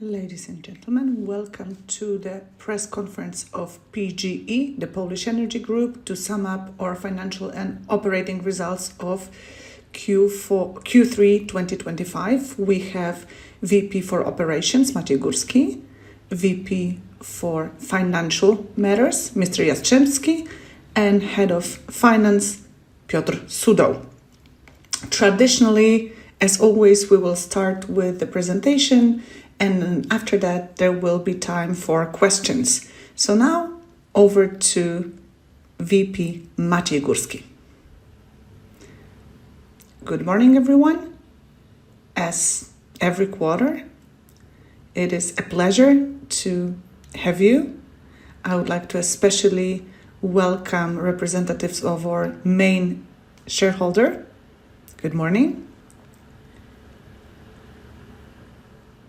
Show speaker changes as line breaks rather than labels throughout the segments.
Ladies and gentlemen, welcome to the press conference of PGE, the Polish Energy Group, to sum up our financial and operating results of Q3 2025. We have VP for Operations, Maciej Górski, VP for Financial Matters, Mister Jastrzębski, and Head of Finance, Piotr Sudoł. Traditionally, as always, we will start with the presentation, and after that, there will be time for questions. Now, over to VP Maciej Górski.
Good morning, everyone. As every quarter, it is a pleasure to have you. I would like to especially welcome representatives of our main shareholder. Good morning.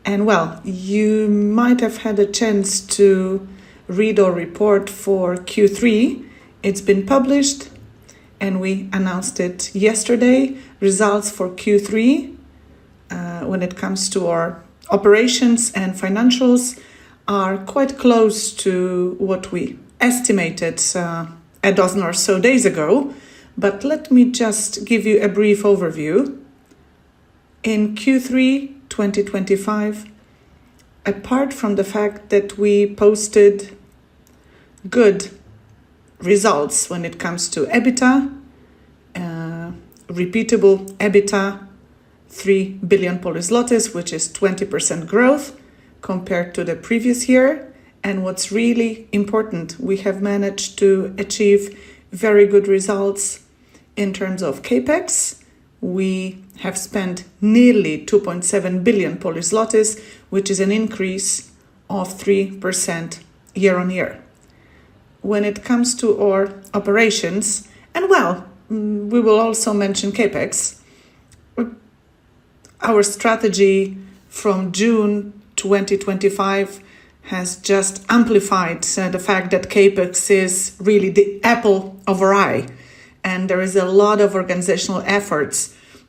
You might have had a chance to read our report for Q3. It has been published, and we announced it yesterday. Results for Q3, when it comes to our operations and financials, are quite close to what we estimated a dozen or so days ago. Let me just give you a brief overview. In Q3 2025, apart from the fact that we posted good results when it comes to EBITDA, repeatable EBITDA, 3 billion, which is 20% growth compared to the previous year. What is really important, we have managed to achieve very good results in terms of CapEx. We have spent nearly 2.7 billion, which is an increase of 3% year-on-year. When it comes to our operations, we will also mention CapEx, our strategy from June 2025 has just amplified the fact that CapEx is really the apple of our eye. There is a lot of organizational effort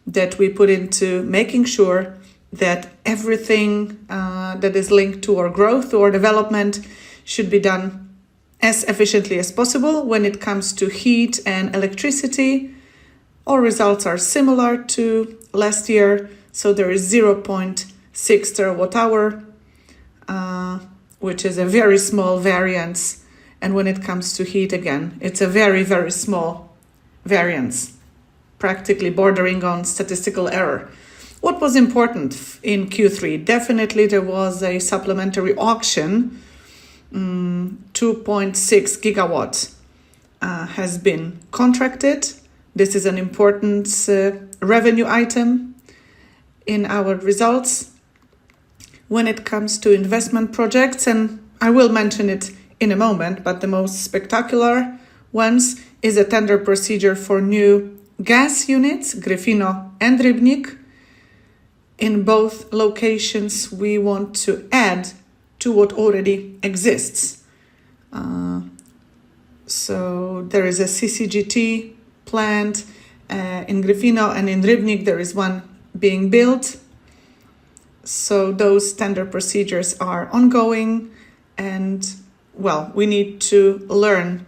that we put into making sure that everything that is linked to our growth, to our development, should be done as efficiently as possible. When it comes to heat and electricity, our results are similar to last year. There is 0.6 TW-hour, which is a very small variance. When it comes to heat, again, it is a very, very small variance, practically bordering on statistical error. What was important in Q3? Definitely, there was a supplementary auction. 2.6 GW has been contracted. This is an important revenue item in our results. When it comes to investment projects, and I will mention it in a moment, but the most spectacular ones is a tender procedure for new gas units, Gryfino and Rybnik. In both locations, we want to add to what already exists. There is a CCGT planned in Gryfino and in Rybnik. There is one being built. Those tender procedures are ongoing. We need to learn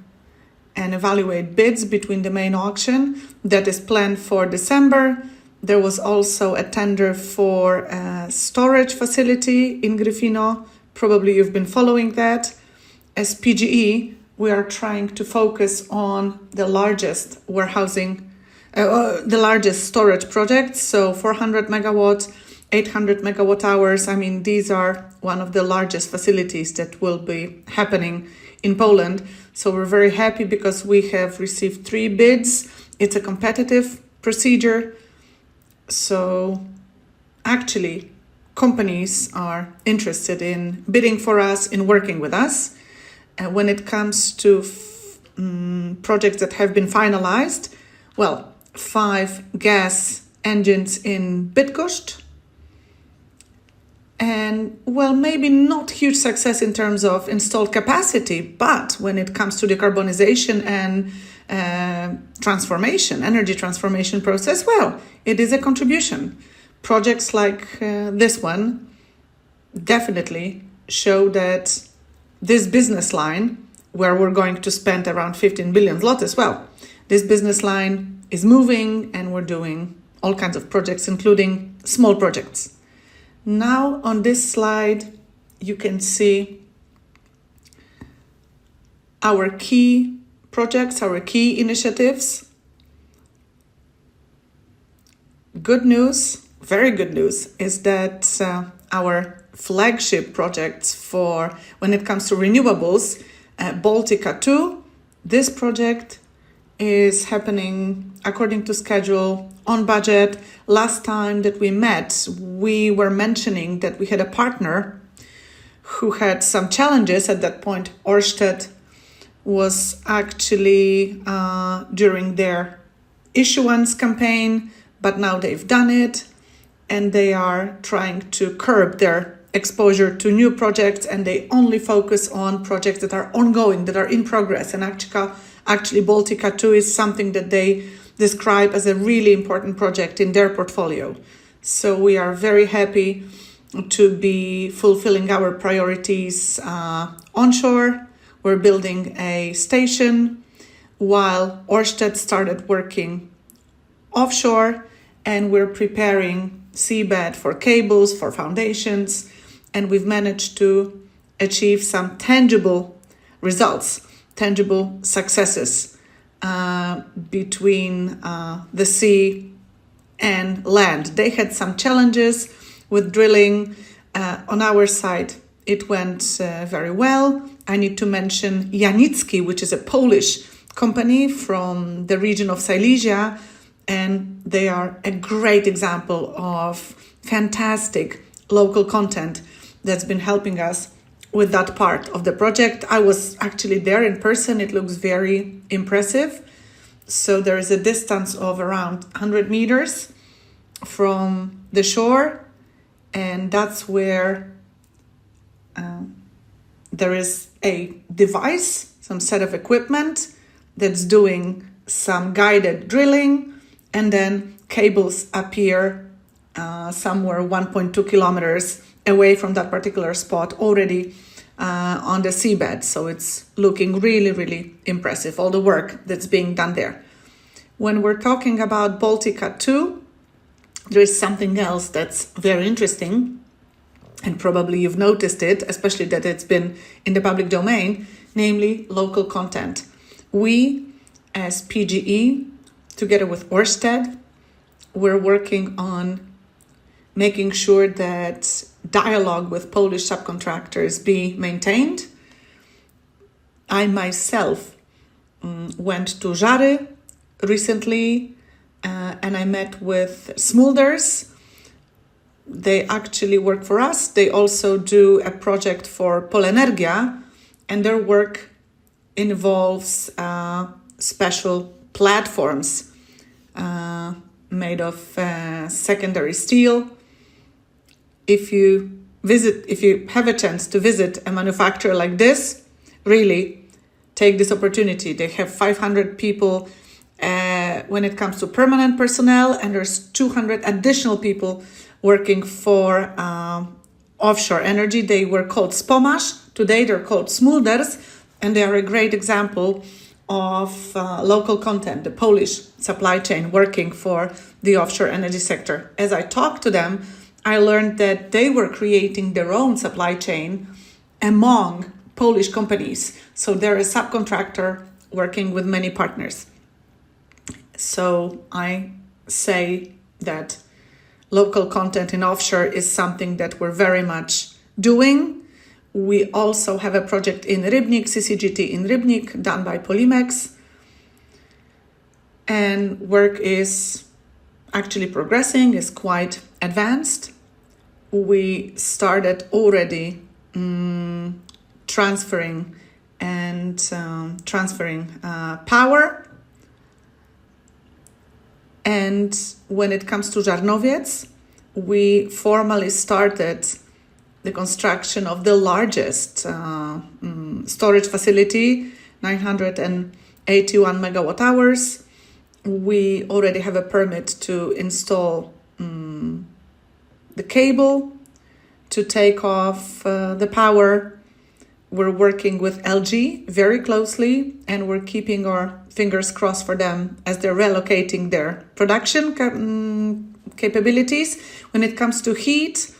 and evaluate bids between the main auction that is planned for December. There was also a tender for a storage facility in Gryfino. Probably you've been following that. As PGE, we are trying to focus on the largest warehousing, the largest storage project. 400 MW, 800 MW-hours. I mean, these are one of the largest facilities that will be happening in Poland. We are very happy because we have received three bids. It is a competitive procedure. Actually, companies are interested in bidding for us, in working with us. When it comes to projects that have been finalized, five gas engines in Bydgoszcz. Maybe not a huge success in terms of installed capacity, but when it comes to decarbonization and transformation, energy transformation process, it is a contribution. Projects like this one definitely show that this business line, where we're going to spend around 15 billion, this business line is moving, and we're doing all kinds of projects, including small projects. Now, on this slide, you can see our key projects, our key initiatives. Good news, very good news, is that our flagship projects for when it comes to renewables, Baltica two, this project is happening according to schedule, on budget. Last time that we met, we were mentioning that we had a partner who had some challenges at that point. Ørsted was actually during their issuance campaign, but now they've done it, and they are trying to curb their exposure to new projects, and they only focus on projects that are ongoing, that are in progress. Actually, Baltica two is something that they describe as a really important project in their portfolio. We are very happy to be fulfilling our priorities onshore. We're building a station while Ørsted started working offshore, and we're preparing seabed for cables, for foundations, and we've managed to achieve some tangible results, tangible successes between the sea and land. They had some challenges with drilling. On our side, it went very well. I need to mention Janicki, which is a Polish company from the region of Silesia, and they are a great example of fantastic local content that's been helping us with that part of the project. I was actually there in person. It looks very impressive. There is a distance of around 100 meters from the shore, and that's where there is a device, some set of equipment that's doing some guided drilling, and then cables appear somewhere 1.2 km away from that particular spot already on the seabed. It is looking really, really impressive, all the work that's being done there. When we're talking about Baltica two, there is something else that's very interesting, and probably you've noticed it, especially that it's been in the public domain, namely local content. We, as PGE, together with Ørsted, we're working on making sure that dialogue with Polish subcontractors be maintained. I myself went to Żary recently, and I met with Smulders. They actually work for us. They also do a project for Polenergia, and their work involves special platforms made of secondary steel. If you have a chance to visit a manufacturer like this, really take this opportunity. They have 500 people when it comes to permanent personnel, and there's 200 additional people working for offshore energy. They were called Spomasz. Today, they're called Smulders, and they are a great example of local content, the Polish supply chain working for the offshore energy sector. As I talked to them, I learned that they were creating their own supply chain among Polish companies. They are a subcontractor working with many partners. I say that local content in offshore is something that we are very much doing. We also have a project in Rybnik, CCGT in Rybnik, done by Polimex. Work is actually progressing. It is quite advanced. We started already transferring and transferring power. When it comes to Żarnowiec, we formally started the construction of the largest storage facility, 981 MW-hours. We already have a permit to install the cable to take off the power. We are working with LG very closely, and we are keeping our fingers crossed for them as they are relocating their production capabilities. When it comes to heat,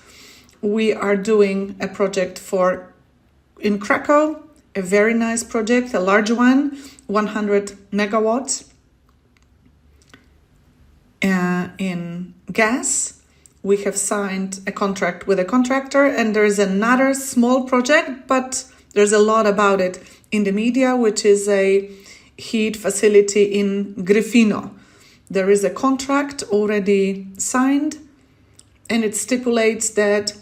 we are doing a project in Kraków, a very nice project, a large one, 100 megawatts in gas. We have signed a contract with a contractor, and there is another small project, but there's a lot about it in the media, which is a heat facility in Gryfino. There is a contract already signed, and it stipulates that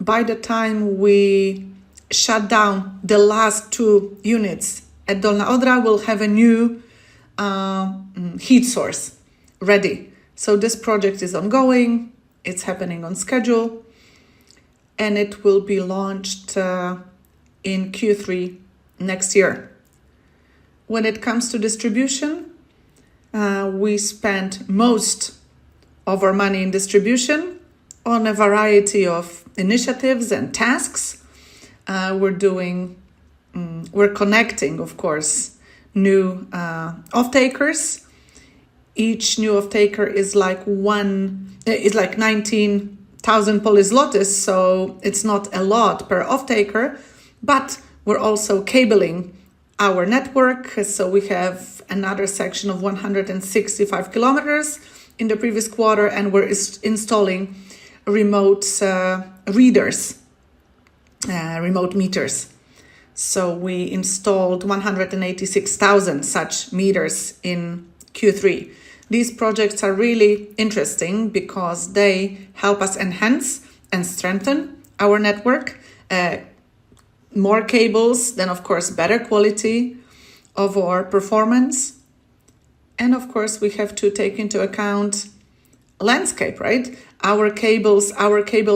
by the time we shut down the last two units at Dolna Odra, we'll have a new heat source ready. This project is ongoing. It's happening on schedule, and it will be launched in Q3 next year. When it comes to distribution, we spent most of our money in distribution on a variety of initiatives and tasks. We're connecting, of course, new off-takers. Each new off-taker is like 19,000, so it's not a lot per off-taker, but we're also cabling our network. We have another section of 165 km in the previous quarter, and we're installing remote readers, remote meters. We installed 186,000 such meters in Q3. These projects are really interesting because they help us enhance and strengthen our network, more cables, then, of course, better quality of our performance. Of course, we have to take into account landscape, right? Our cable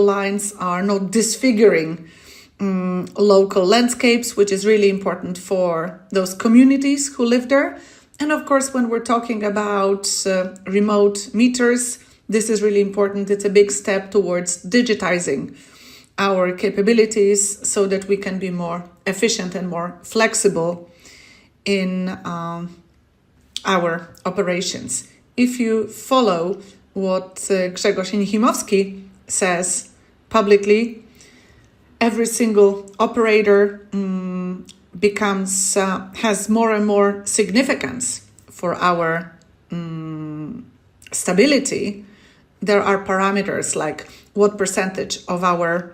lines are not disfiguring local landscapes, which is really important for those communities who live there. Of course, when we're talking about remote meters, this is really important. It's a big step towards digitizing our capabilities so that we can be more efficient and more flexible in our operations. If you follow what Grzegorz Michałowski says publicly, every single operator has more and more significance for our stability. There are parameters like what percentage of our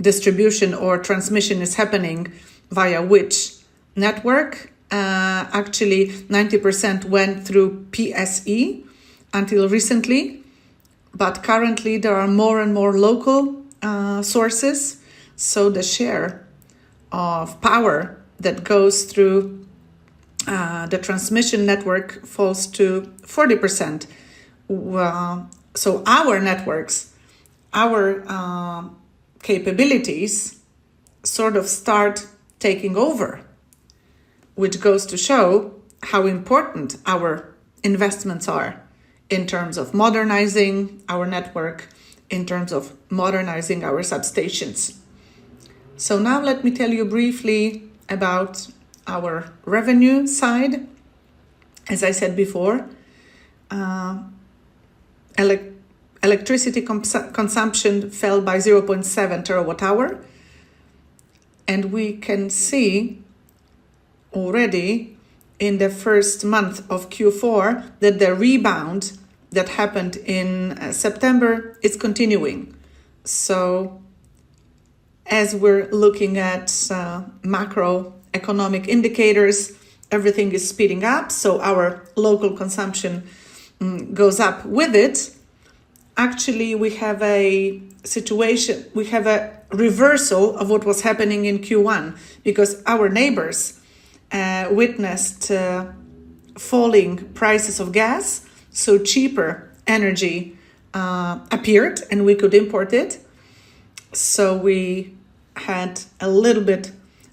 distribution or transmission is happening via which network. Actually, 90% went through PSE until recently, but currently, there are more and more local sources. The share of power that goes through the transmission network falls to 40%. Our networks, our capabilities sort of start taking over, which goes to show how important our investments are in terms of modernizing our network, in terms of modernizing our substations. Now let me tell you briefly about our revenue side. As I said before, electricity consumption fell by 0.7 TW-hour, and we can see already in the first month of Q4 that the rebound that happened in September is continuing. As we are looking at macroeconomic indicators, everything is speeding up. Our local consumption goes up with it. Actually, we have a situation, we have a reversal of what was happening in Q1 because our neighbors witnessed falling prices of gas. Cheaper energy appeared, and we could import it. We had a little bit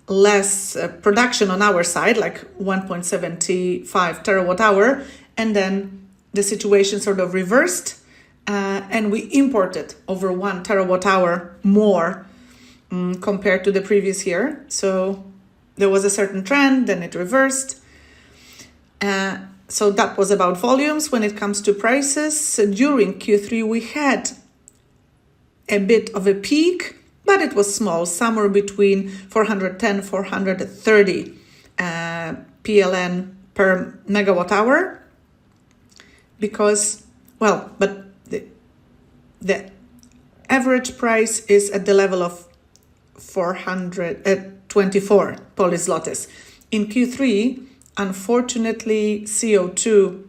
less production on our side, like 1.75 TW-hour, and then the situation sort of reversed, and we imported over 1 TW-hour more compared to the previous year. There was a certain trend, then it reversed. That was about volumes. When it comes to prices during Q3, we had a bit of a peak, but it was small, somewhere between 410-430 PLN per MW-hour because, you know, the average price is at the level of 424. In Q3, unfortunately, CO2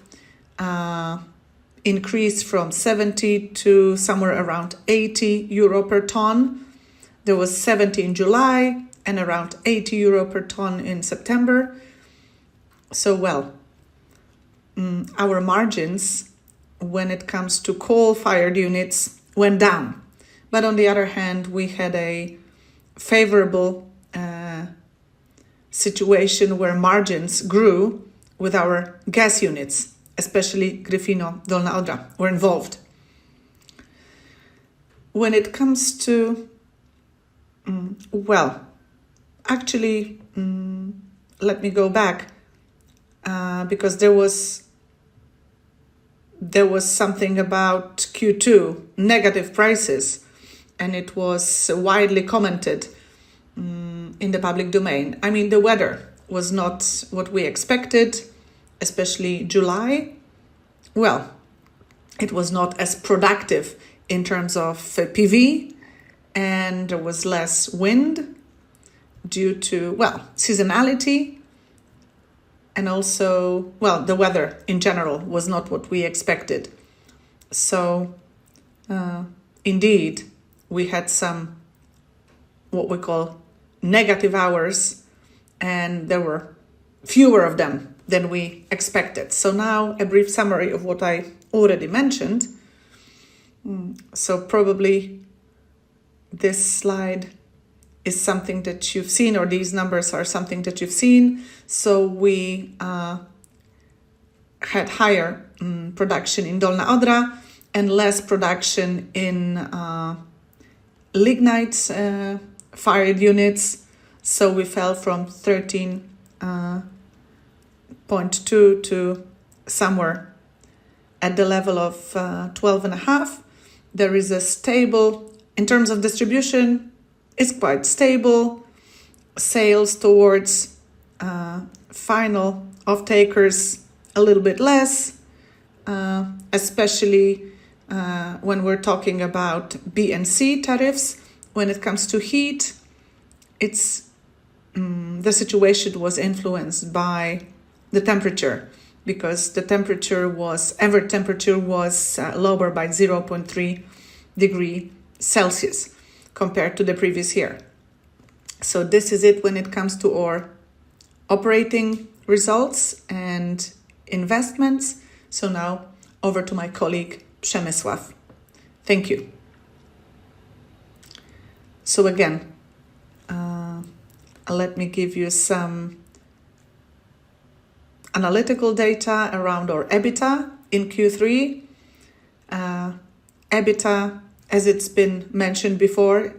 increased from 70 to somewhere around 80 euro per ton. There was 70 in July and around 80 euro per ton in September. Our margins when it comes to coal-fired units went down. On the other hand, we had a favorable situation where margins grew with our gas units, especially Gryfino and Dolna Odra were involved. When it comes to, actually, let me go back because there was something about Q2, negative prices, and it was widely commented in the public domain. I mean, the weather was not what we expected, especially July. It was not as productive in terms of PV, and there was less wind due to seasonality. Also, the weather in general was not what we expected. Indeed, we had some what we call negative hours, and there were fewer of them than we expected. Now a brief summary of what I already mentioned. Probably this slide is something that you've seen, or these numbers are something that you've seen. We had higher production in Dolna Odra and less production in lignite-fired units. We fell from 13.2 to somewhere at the level of 12.5. There is a stable in terms of distribution, it is quite stable. Sales towards final off-takers a little bit less, especially when we are talking about BNC tariffs. When it comes to heat, the situation was influenced by the temperature because the temperature was, average temperature was lower by 0.3 degree Celsius compared to the previous year. This is it when it comes to our operating results and investments. Now over to my colleague Przemysław. Thank you. Again, let me give you some analytical data around our EBITDA in Q3. EBITDA, as it has been mentioned before,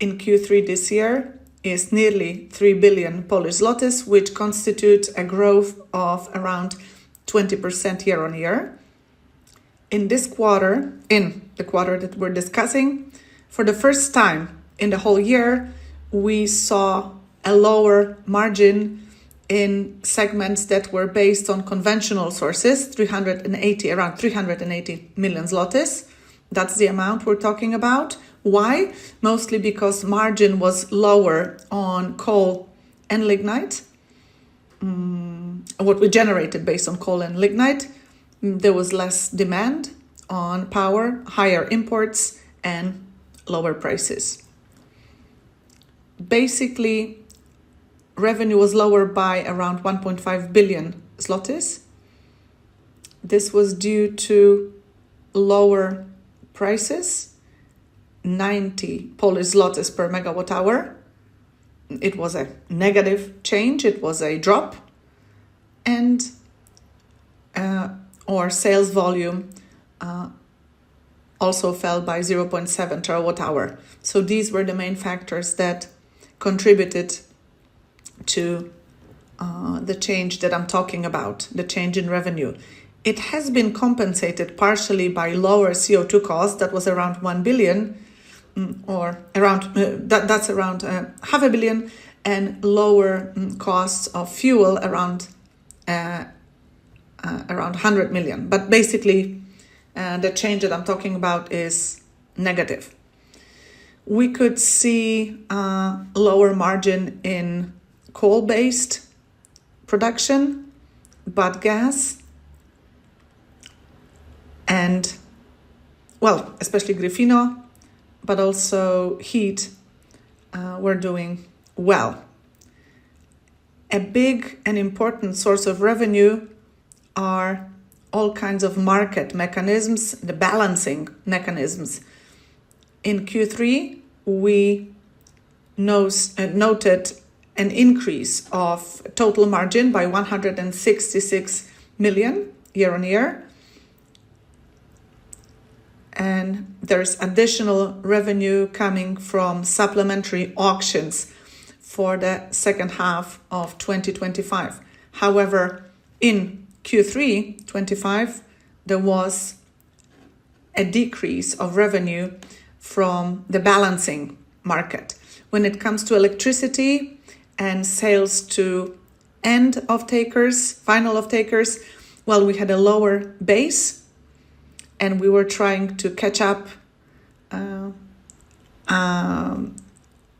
in Q3 this year is nearly 3 billion, which constitutes a growth of around 20% year-on-year. In this quarter, in the quarter that we're discussing, for the first time in the whole year, we saw a lower margin in segments that were based on conventional sources, around 380 million zlotys. That's the amount we're talking about. Why? Mostly because margin was lower on coal and lignite, what we generated based on coal and lignite. There was less demand on power, higher imports, and lower prices. Basically, revenue was lower by around 1.5 billion zloty. This was due to lower prices, 90 pe-hour. It was a negative change. It was a drop. Our sales volume also fell by 0.7 TW-hour. These were the main factors that contributed to the change that I'm talking about, the change in revenue. It has been compensated partially by lower CO2 costs. That was around 1 billion, or that's around 500 million, and lower costs of fuel around 100 million. Basically, the change that I'm talking about is negative. We could see lower margin in coal-based production, gas, and especially Gryfino, but also heat were doing well. A big and important source of revenue are all kinds of market mechanisms, the balancing mechanisms. In Q3, we noted an increase of total margin by 166 million year on year. There is additional revenue coming from supplementary auctions for the second half of 2025. However, in Q3 2025, there was a decrease of revenue from the balancing market. When it comes to electricity and sales to end off-takers, final off-takers, we had a lower base, and we were trying to catch up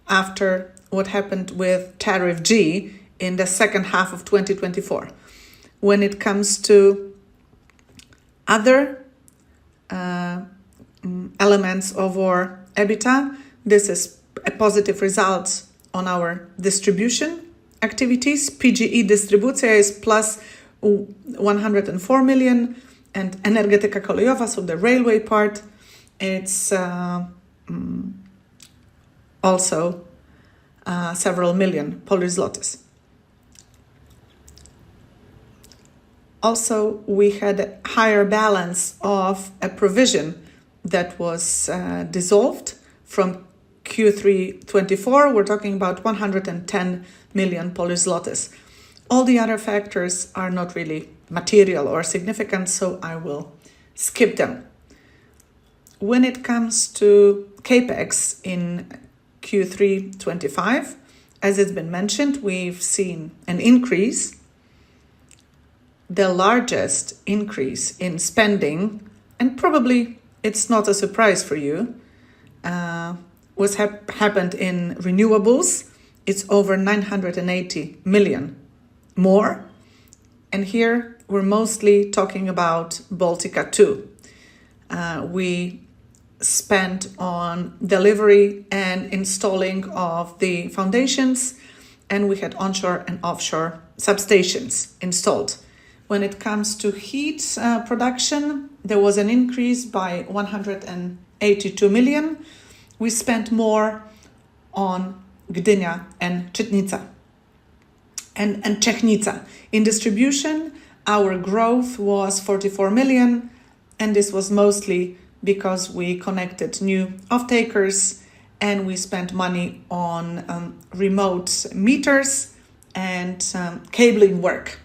after what happened with Tariff G in the second half of 2024. When it comes to other elements of our EBITDA, this is a positive result on our distribution activities. PGE Dystrybucja is plus 104 million, and Energetyka Kolejowa, so the railway part, it's also several million Polish złoty. Also, we had a higher balance of a provision that was dissolved from Q3 2024. We're talking about 110 million. All the other factors are not really material or significant, so I will skip them. When it comes to CapEx in Q3 2025, as it's been mentioned, we've seen an increase. The largest increase in spending, and probably it's not a surprise for you, was happened in renewables. It's over 980 million more. And here we're mostly talking about Baltica 2. We spent on delivery and installing of the foundations, and we had onshore and offshore substations installed. When it comes to heat production, there was an increase by 182 million. We spent more on Gdynia and Czechnica. In distribution, our growth was 44 million, and this was mostly because we connected new off-takers, and we spent money on remote meters and cabling work.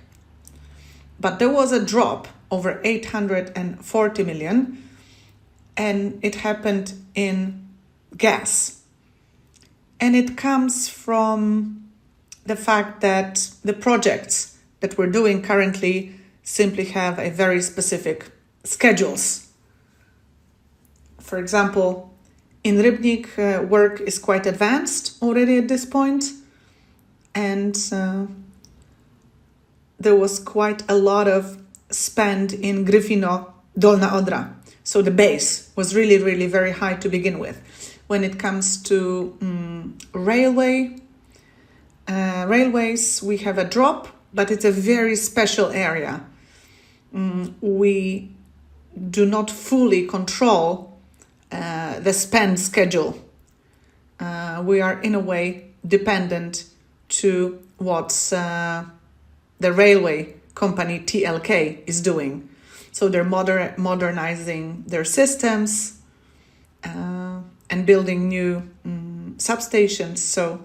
There was a drop of over 840 million, and it happened in gas. It comes from the fact that the projects that we are doing currently simply have very specific schedules. For example, in Rybnik, work is quite advanced already at this point, and there was quite a lot of spend in Gryfino, Dolna Odra. The base was really, really very high to begin with. When it comes to railways, we have a drop, but it is a very special area. We do not fully control the spend schedule. We are, in a way, dependent on what the railway company TLK is doing. They are modernizing their systems and building new substations. That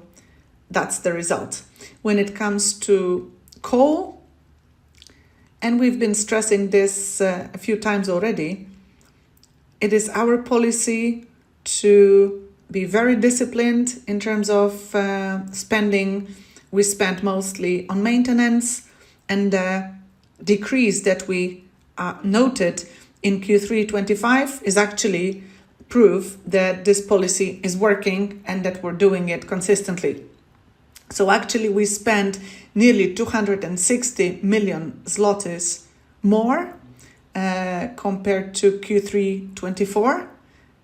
is the result. When it comes to coal, and we've been stressing this a few times already, it is our policy to be very disciplined in terms of spending. We spent mostly on maintenance, and the decrease that we noted in Q3 2025 is actually proof that this policy is working and that we're doing it consistently. Actually, we spent nearly 260 million zlotys more compared to Q3 2024.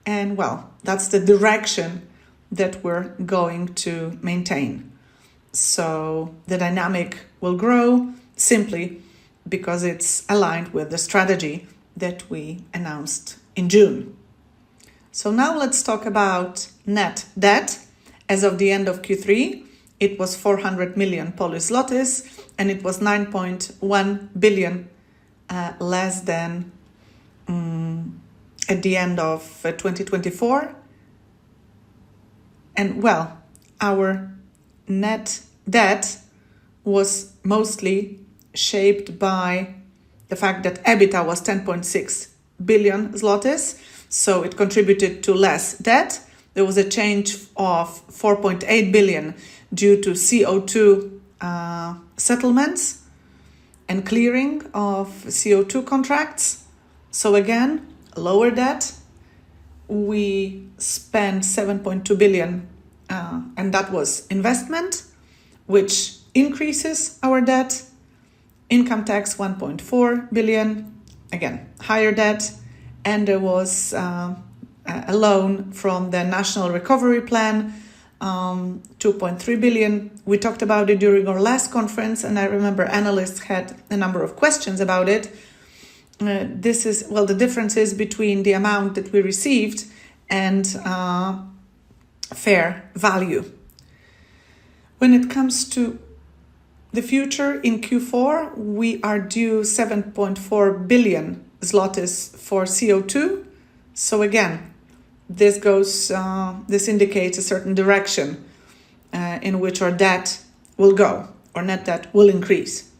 That is the direction that we're going to maintain. The dynamic will grow simply because it's aligned with the strategy that we announced in June. Now let's talk about net debt. As of the end of Q3, it was 400 million, and it was 9.1 billion less than at the end of 2024. Our net debt was mostly shaped by the fact that EBITDA was 10.6 billion zlotys, so it contributed to less debt. There was a change of 4.8 billion due to CO2 settlements and clearing of CO2 contracts. Again, lower debt. We spent 7.2 billion, and that was investment, which increases our debt. Income tax, 1.4 billion. Again, higher debt. There was a loan from the National Recovery Plan, 2.3 billion. We talked about it during our last conference, and I remember analysts had a number of questions about it. This is, well, the difference between the amount that we received and fair value. When it comes to the future in Q4, we are due 7.4 billion zlotys for CO2. Again, this indicates a certain direction in which our debt will go, or net debt will increase.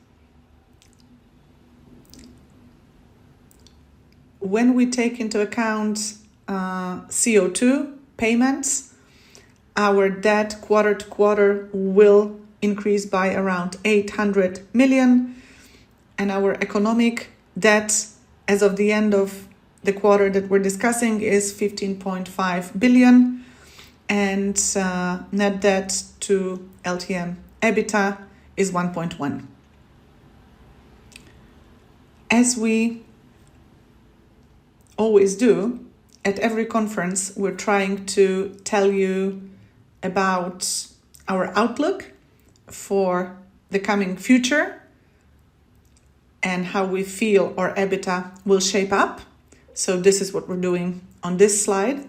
When we take into account CO2 payments, our debt quarter to quarter will increase by around 800 million. Our economic debt, as of the end of the quarter that we're discussing, is 15.5 billion. Net debt to LTM EBITDA is 1.1. As we always do, at every conference, we're trying to tell you about our outlook for the coming future and how we feel our EBITDA will shape up. This is what we're doing on this slide.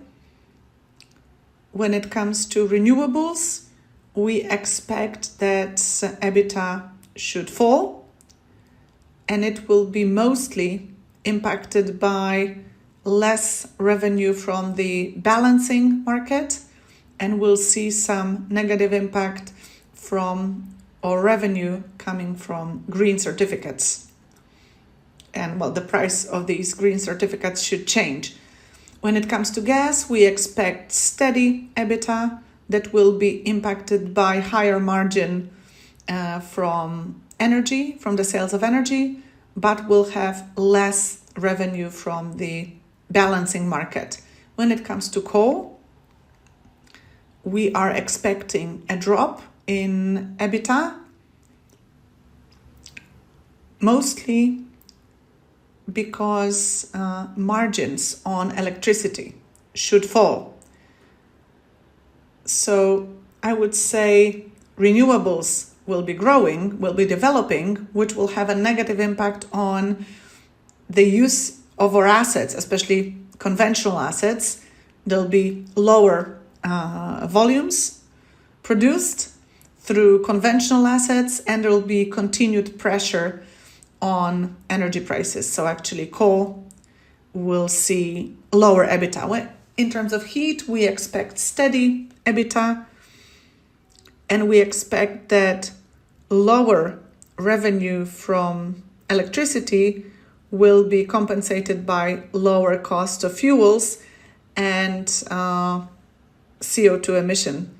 When it comes to renewables, we expect that EBITDA should fall, and it will be mostly impacted by less revenue from the balancing market. We'll see some negative impact from our revenue coming from green certificates. The price of these green certificates should change. When it comes to gas, we expect steady EBITDA that will be impacted by higher margin from energy, from the sales of energy, but will have less revenue from the balancing market. When it comes to coal, we are expecting a drop in EBITDA, mostly because margins on electricity should fall. I would say renewables will be growing, will be developing, which will have a negative impact on the use of our assets, especially conventional assets. There will be lower volumes produced through conventional assets, and there will be continued pressure on energy prices. Actually, coal will see lower EBITDA. In terms of heat, we expect steady EBITDA, and we expect that lower revenue from electricity will be compensated by lower cost of fuels and CO2 emission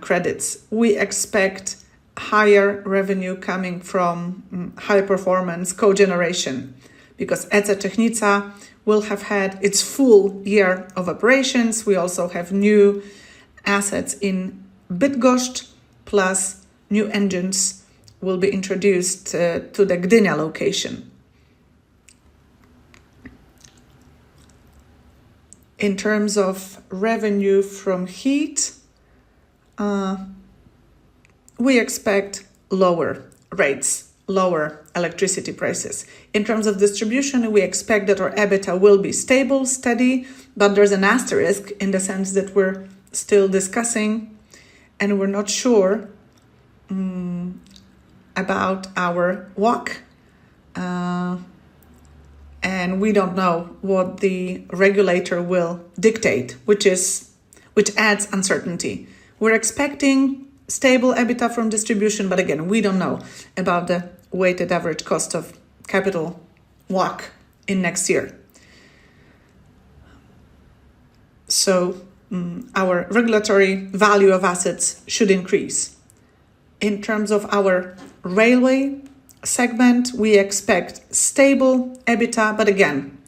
credits. We expect higher revenue coming from high-performance co-generation because ETA Technica will have had its full year of operations. We also have new assets in Bydgoszcz, plus new engines will be introduced to the Gdynia location. In terms of revenue from heat, we expect lower rates, lower electricity prices. In terms of distribution, we expect that our EBITDA will be stable, steady, but there's an asterisk in the sense that we're still discussing, and we're not sure about our WACC. We don't know what the regulator will dictate, which adds uncertainty. We're expecting stable EBITDA from distribution, but again, we don't know about the weighted average cost of capital WACC in next year. Our regulatory value of assets should increase. In terms of our railway segment, we expect stable EBITDA, but again,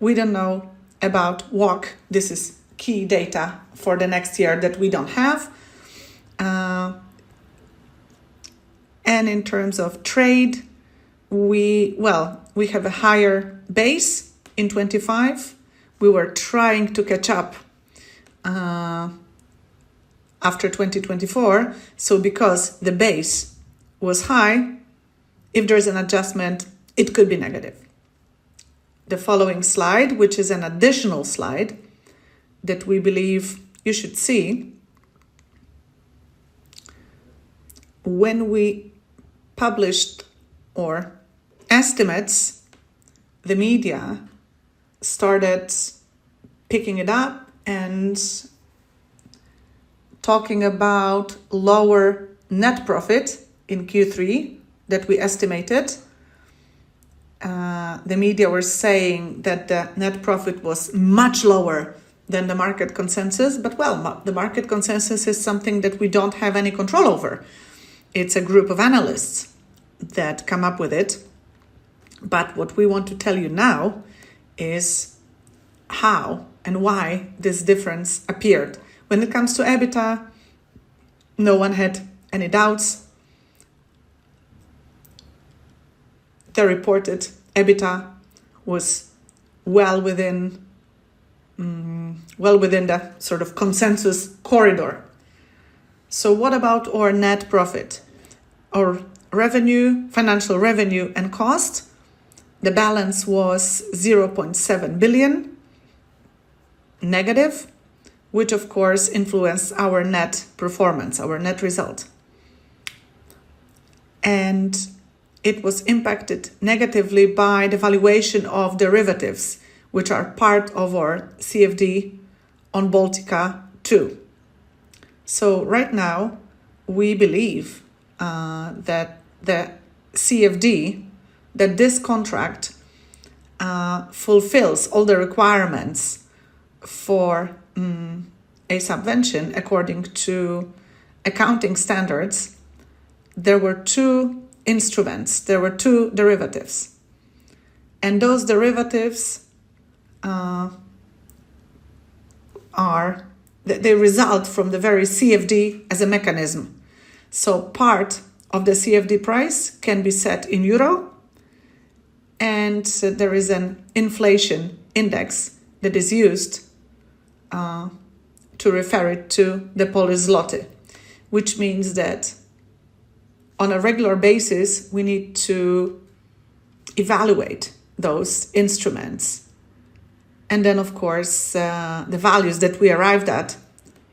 we don't know about WACC. This is key data for the next year that we don't have. In terms of trade, we have a higher base in 2025. We were trying to catch up after 2024. Because the base was high, if there's an adjustment, it could be negative. The following slide, which is an additional slide that we believe you should see. When we published our estimates, the media started picking it up and talking about lower net profit in Q3 that we estimated. The media were saying that the net profit was much lower than the market consensus. The market consensus is something that we do not have any control over. It is a group of analysts that come up with it. What we want to tell you now is how and why this difference appeared. When it comes to EBITDA, no one had any doubts. They reported EBITDA was well within the sort of consensus corridor. What about our net profit? Our revenue, financial revenue, and cost, the balance was 0.7 billion negative, which, of course, influenced our net performance, our net result. It was impacted negatively by the valuation of derivatives, which are part of our CFD on Baltica two. Right now, we believe that the CFD, that this contract fulfills all the requirements for a subvention according to accounting standards. There were two instruments. There were two derivatives. Those derivatives are the result from the very CFD as a mechanism. Part of the CFD price can be set in EUR. There is an inflation index that is used to refer it to the Polish złoty, which means that on a regular basis, we need to evaluate those instruments. Of course, the values that we arrived at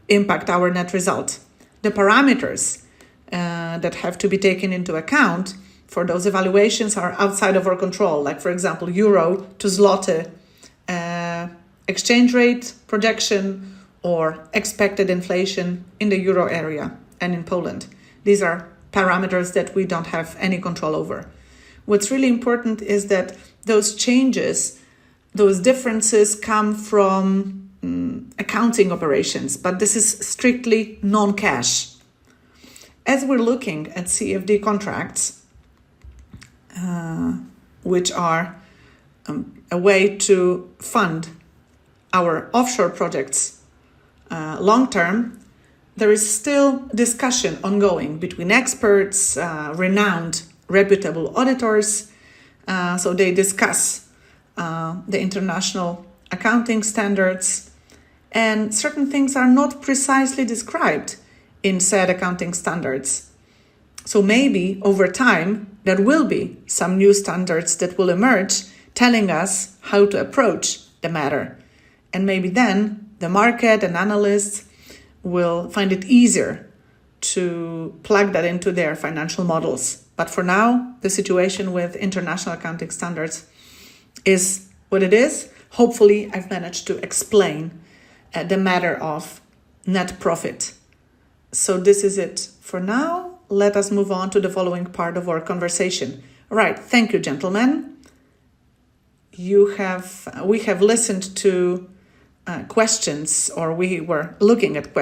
impact our net result. The parameters that have to be taken into account for those evaluations are outside of our control. Like, for example, euro to złoty exchange rate projection or expected inflation in the euro area and in Poland. These are parameters that we do not have any control over. What's really important is that those changes, those differences come from accounting operations, but this is strictly non-cash. As we're looking at CFD contracts, which are a way to fund our offshore projects long-term, there is still discussion ongoing between experts, renowned, reputable auditors. They discuss the international accounting standards, and certain things are not precisely described in said accounting standards. Maybe over time, there will be some new standards that will emerge telling us how to approach the matter. Maybe then the market and analysts will find it easier to plug that into their financial models. For now, the situation with international accounting standards is what it is. Hopefully, I've managed to explain the matter of net profit. This is it for now. Let us move on to the following part of our conversation.
All right. Thank you, gentlemen. We have listened to questions, or we were looking at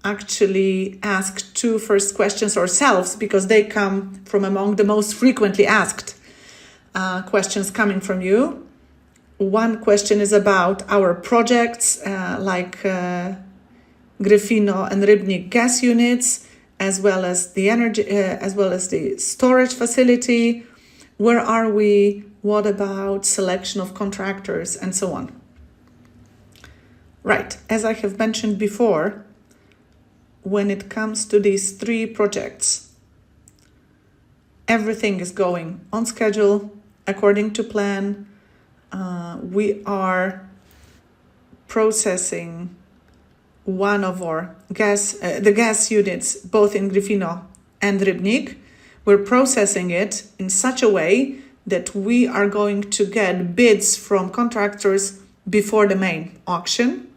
questions that were coming to us. We will actually ask two first questions ourselves because they come from among the most frequently asked questions coming from you. One question is about our projects like Gryfino and Rybnik gas units, as well as the energy as well as the storage faci
lity. Where are we? What about selection of contractors and so on? Right. As I have mentioned before, when it comes to these three projects, everything is going on schedule according to plan. We are processing one of our gas units, both in Gryfino and Rybnik. We're processing it in such a way that we are going to get bids from contractors before the main auction.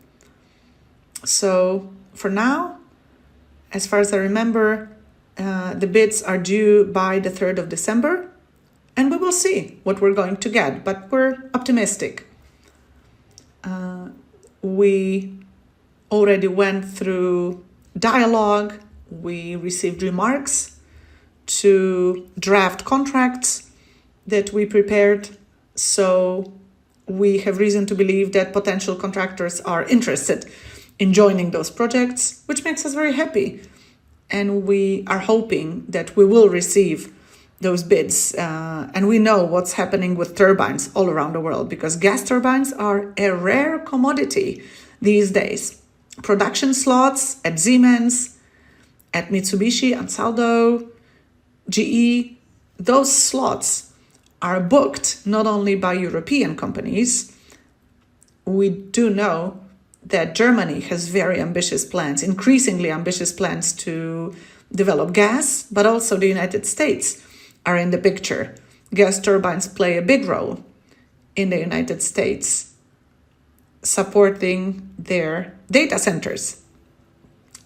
For now, as far as I remember, the bids are due by the 3rd of December, and we will see what we're going to get, but we're optimistic. We already went through dialogue. We received remarks to draft contracts that we prepared. We have reason to believe that potential contractors are interested in joining those projects, which makes us very happy. We are hoping that we will receive those bids. We know what's happening with turbines all around the world because gas turbines are a rare commodity these days. Production slots at Siemens Energy, at Mitsubishi Power, at GE, those slots are booked not only by European companies. We do know that Germany has very ambitious plans, increasingly ambitious plans to develop gas, but also the United States are in the picture. Gas turbines play a big role in the United States supporting their data centers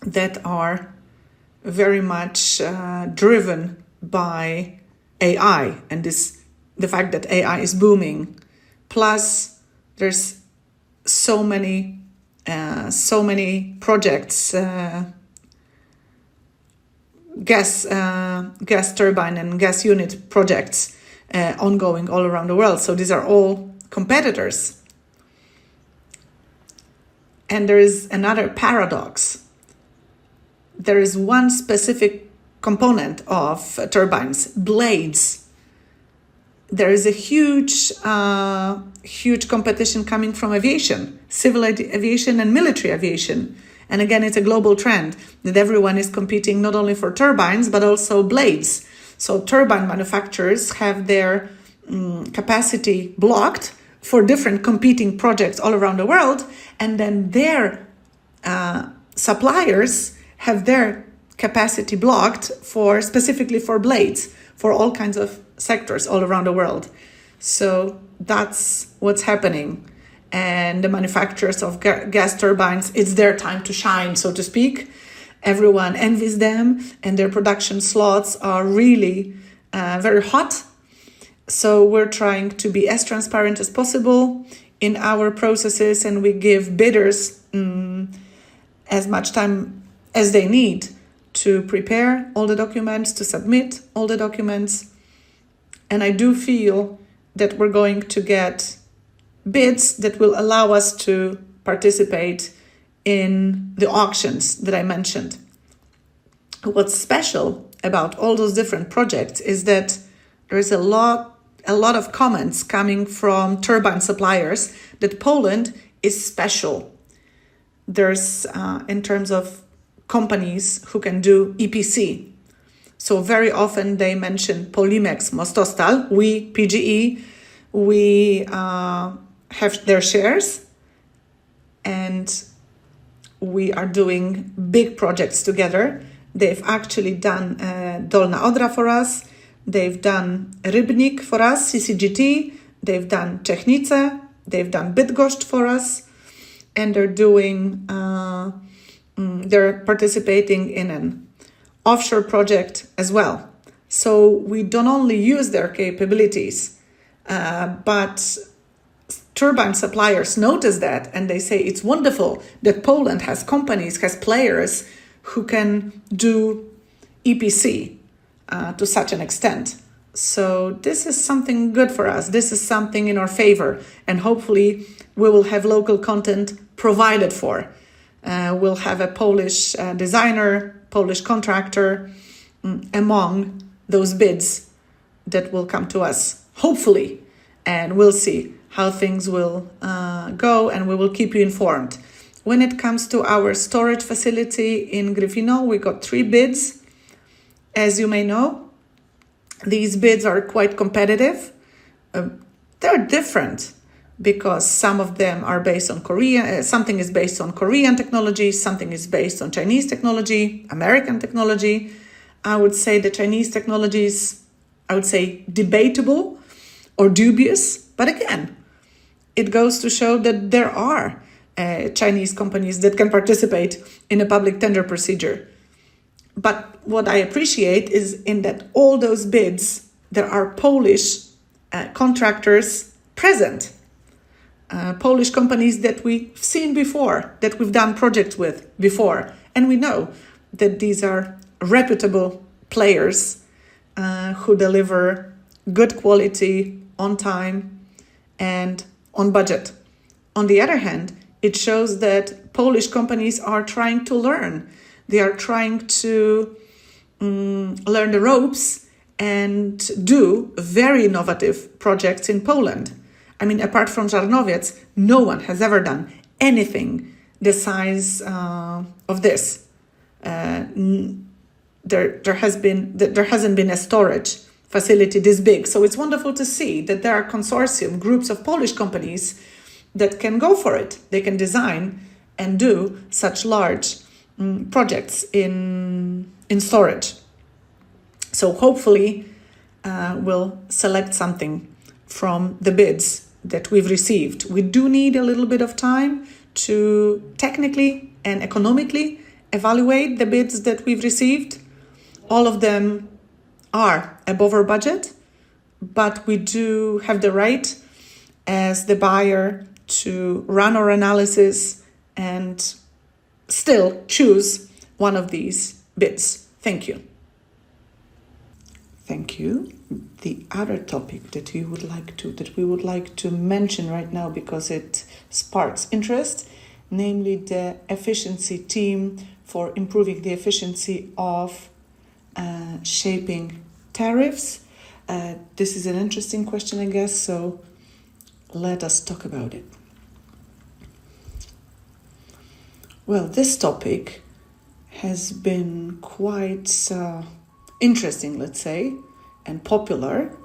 that are very much driven by AI and the fact that AI is booming. Plus, there are so many projects, gas turbine and gas unit projects ongoing all around the world. These are all competitors. There is another paradox. There is one specific component of turbines, blades. There is a huge competition coming from aviation, civil aviation and military aviation. Again, it is a global trend that everyone is competing not only for turbines, but also blades. Turbine manufacturers have their capacity blocked for different competing projects all around the world. Their suppliers have their capacity blocked specifically for blades for all kinds of sectors all around the world. That is what is happening. The manufacturers of gas turbines, it is their time to shine, so to speak. Everyone envies them, and their production slots are really very hot. We are trying to be as transparent as possible in our processes, and we give bidders as much time as they need to prepare all the documents, to submit all the documents. I do feel that we are going to get bids that will allow us to participate in the auctions that I mentioned. What is special about all those different projects is that there are a lot of comments coming from turbine suppliers that Poland is special in terms of companies who can do EPC. Very often, they mention Polimex Mostostal. We, PGE, we have their shares, and we are doing big projects together. They have actually done Dolna Odra for us. They have done Rybnik for us, CCGT. They have done Czechnica. They have done Bydgoszcz for us. And they are participating in an offshore project as well. We do not only use their capabilities, but turbine suppliers notice that, and they say, "It is wonderful that Poland has companies, has players who can do EPC to such an extent." This is something good for us. This is something in our favor. Hopefully, we will have local content provided for. We will have a Polish designer, Polish contractor among those bids that will come to us, hopefully. We will see how things will go, and we will keep you informed. When it comes to our storage facility in Gryfino, we got three bids. As you may know, these bids are quite competitive. They're different because some of them are based on Korean technology. Something is based on Chinese technology, American technology. I would say the Chinese technology is, I would say, debatable or dubious. Again, it goes to show that there are Chinese companies that can participate in a public tender procedure. What I appreciate is in that all those bids, there are Polish contractors present, Polish companies that we've seen before, that we've done projects with before. We know that these are reputable players who deliver good quality on time and on budget. On the other hand, it shows that Polish companies are trying to learn. They are trying to learn the ropes and do very innovative projects in Poland. I mean, apart from Żarnowiec, no one has ever done anything the size of this. There has not been a storage facility this big. It is wonderful to see that there are consortium groups of Polish companies that can go for it. They can design and do such large projects in storage. Hopefully, we will select something from the bids that we have received. We do need a little bit of time to technically and economically evaluate the bids that we have received. All of them are above our budget, but we do have the right as the buyer to run our analysis and still choose one of these bids. Thank you.
Thank you. The other topic that we would like to mention right now because it sparks interest, namely the efficiency team for improving the efficiency of shaping tariffs. This is an interesting question, I guess. Let us talk about it.
This topic has been quite interesting, let's say, and popular.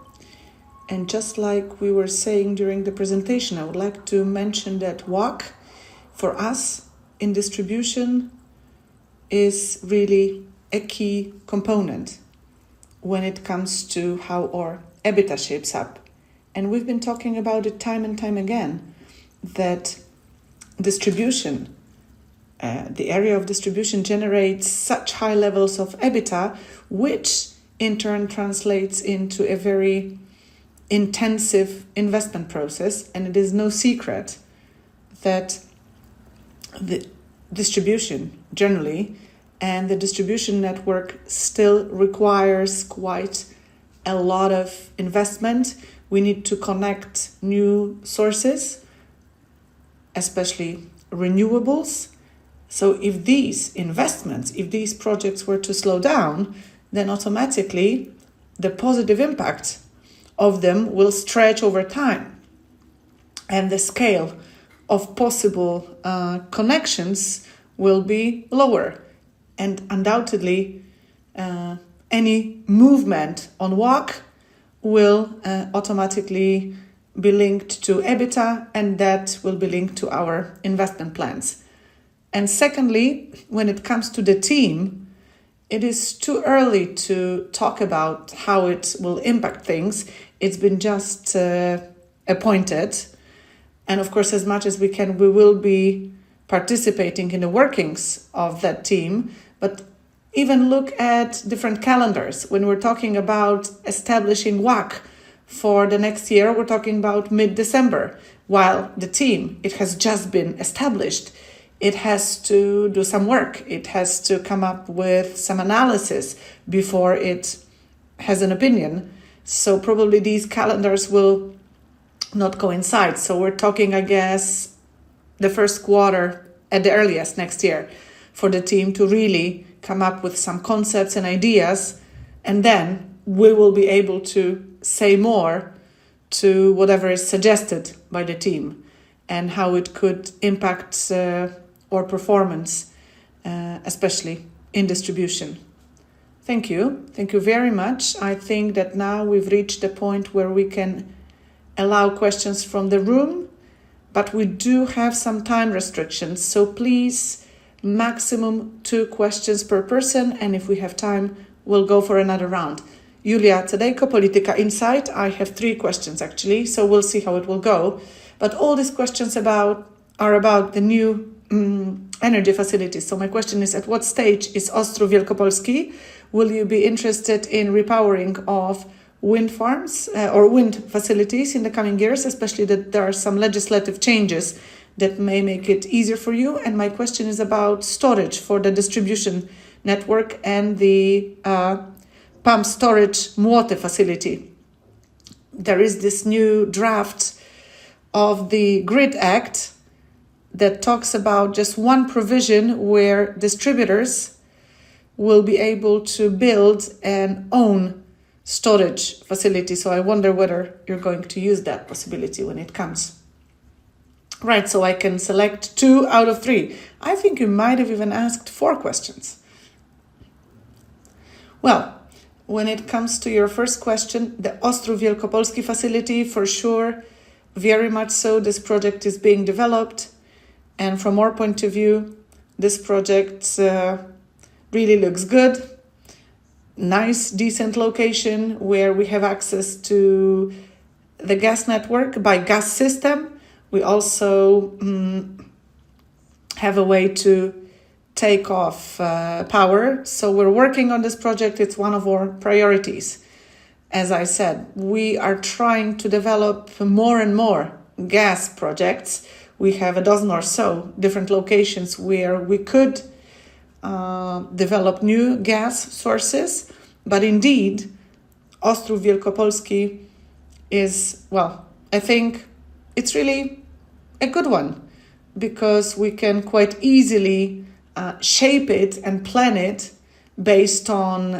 Just like we were saying during the presentation, I would like to mention that WACC for us in distribution is really a key component when it comes to how our EBITDA shapes up. We have been talking about it time and time again that distribution, the area of distribution, generates such high levels of EBITDA, which in turn translates into a very intensive investment process. It is no secret that distribution generally and the distribution network still require quite a lot of investment. We need to connect new sources, especially renewables. If these investments, if these projects were to slow down, then automatically the positive impact of them will stretch over time. The scale of possible connections will be lower. Undoubtedly, any movement on WACC will automatically be linked to EBITDA, and that will be linked to our investment plans. Secondly, when it comes to the team, it is too early to talk about how it will impact things. It's been just appointed. Of course, as much as we can, we will be participating in the workings of that team. Even look at different calendars. When we're talking about establishing WACC for the next year, we're talking about mid-December, while the team has just been established. It has to do some work. It has to come up with some analysis before it has an opinion. Probably thesecalendars will not coincide. We're talking, I guess, the first quarter at the earliest next year for the team to really come up with some concepts and ideas. Then we will be able to say more to whatever is suggested by the team and how it could impact our performance, especially in distribution. Thank you.
Thank you very much. I think that now we've reached the point where we can allow questions from the room, but we do have some time restrictions. Please, maximum two questions per person. If we have time, we'll go for another round.
Julia Cydejko, Polityka Insight. I have three questions, actually. We'll see how it will go. All these questions are about the new energy facilities. My question is, at what stage is Ostrów Wielkopolski? Will you be interested in repowering of wind farms or wind facilities in the coming years, especially that there are some legislative changes that may make it easier for you? My question is about storage for the distribution network and the pump storage Młote facility. There is this new draft of the GRID Act that talks about just one provision where distributors will be able to build and own storage facility. I wonder whether you're going to use that possibility when it comes.
Right. I can select two out of three. I think you might have even asked four questions. When it comes to your first question, the Ostrów Wielkopolski facility, for sure, very much so. This project is being developed. From our point of view, this project really looks good. Nice, decent location where we have access to the gas network by gas system. We also have a way to take off power. We're working on this project. It's one of our priorities. As I said, we are trying to develop more and more gas projects. We have a dozen or so different locations where we could develop new gas sources. Indeed, Ostrów Wielkopolski is, I think it's really a good one because we can quite easily shape it and plan it based on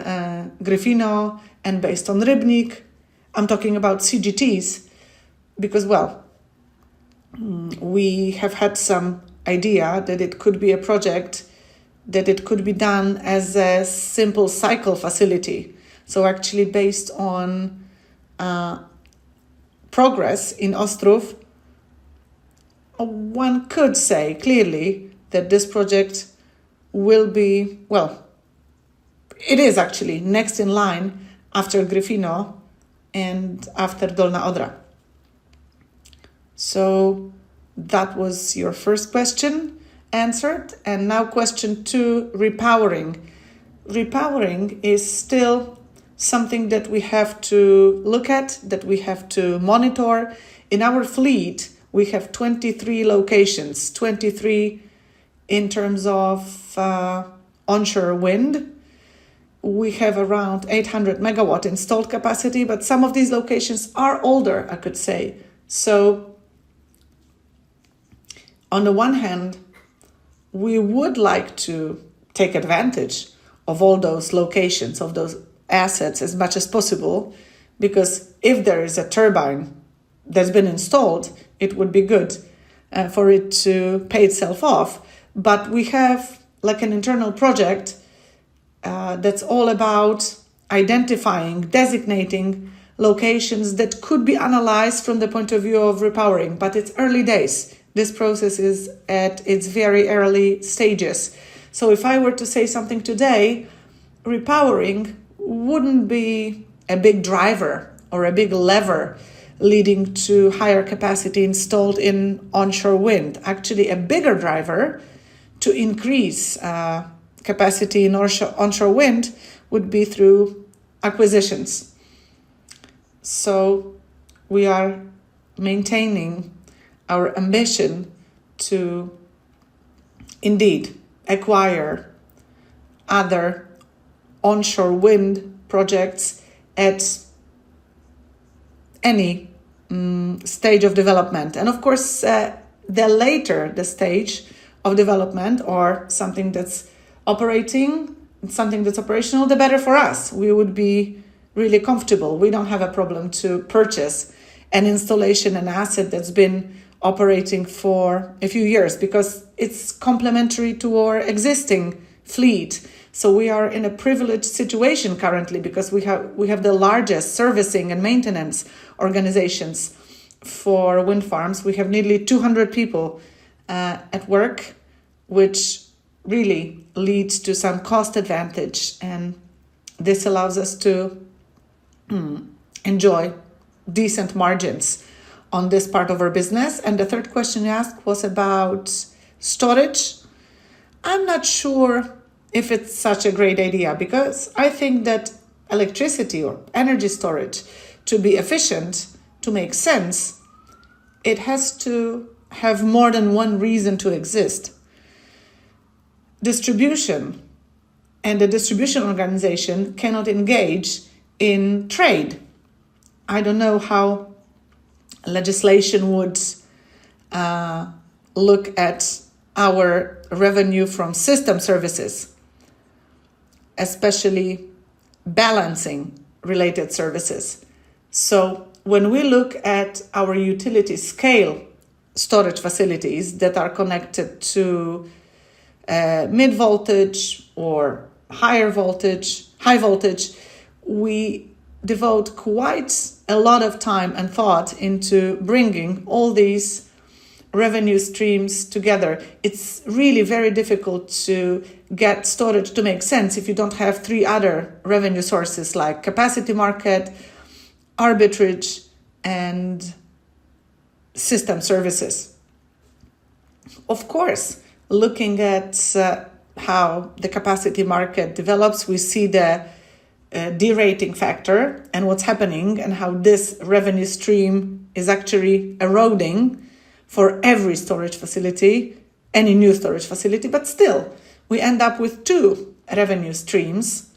Gryfino and based on Rybnik. I'm talking about CCGTs because we have had some idea that it could be a project that could be done as a simple cycle facility. Actually, based on progress in Ostrów, one could say clearly that this project will be, it is actually next in line after Gryfino and after Dolna Odra. That was your first question answered. Now, question two, repowering. Repowering is still something that we have to look at, that we have to monitor. In our fleet, we have 23 locations, 23 in terms of onshore wind. We have around 800 MW installed capacity, but some of these locations are older, I could say. On the one hand, we would like to take advantage of all those locations, of those assets as much as possible because if there is a turbine that's been installed, it would be good for it to pay itself off. We have an internal project that's all about identifying, designating locations that could be analyzed from the point of view of repowering. It is early days. This process is at its very early stages. If I were to say something today, repowering would not be a big driver or a big lever leading to higher capacity installed in onshore wind. Actually, a bigger driver to increase capacity in onshore wind would be through acquisitions. We are maintaining our ambition to indeed acquire other onshore wind projects at any stage of development. Of course, the later the stage of development or something that's operating, something that's operational, the better for us. We would be really comfortable. We don't have a problem to purchase an installation, an asset that's been operating for a few years because it's complementary to our existing fleet. We are in a privileged situation currently because we have the largest servicing and maintenance organizations for wind farms. We have nearly 200 people at work, which really leads to some cost advantage. This allows us to enjoy decent margins on this part of our business. The third question you asked was about storage. I'm not sure if it's such a great idea because I think that electricity or energy storage, to be efficient, to make sense, it has to have more than one reason to exist. Distribution and the distribution organization cannot engage in trade. I don't know how legislation would look at our revenue from system services, especially balancing related services. When we look at our utility scale storage facilities that are connected to mid-voltage or high voltage, we devote quite a lot of time and thought into bringing all these revenue streams together. It's really very difficult to get storage to make sense if you don't have three other revenue sources like capacity market, arbitrage, and system services. Of course, looking at how the capacity market develops, we see the derating factor and what's happening and how this revenue stream is actually eroding for every storage facility, any new storage facility. Still, we end up with two revenue streams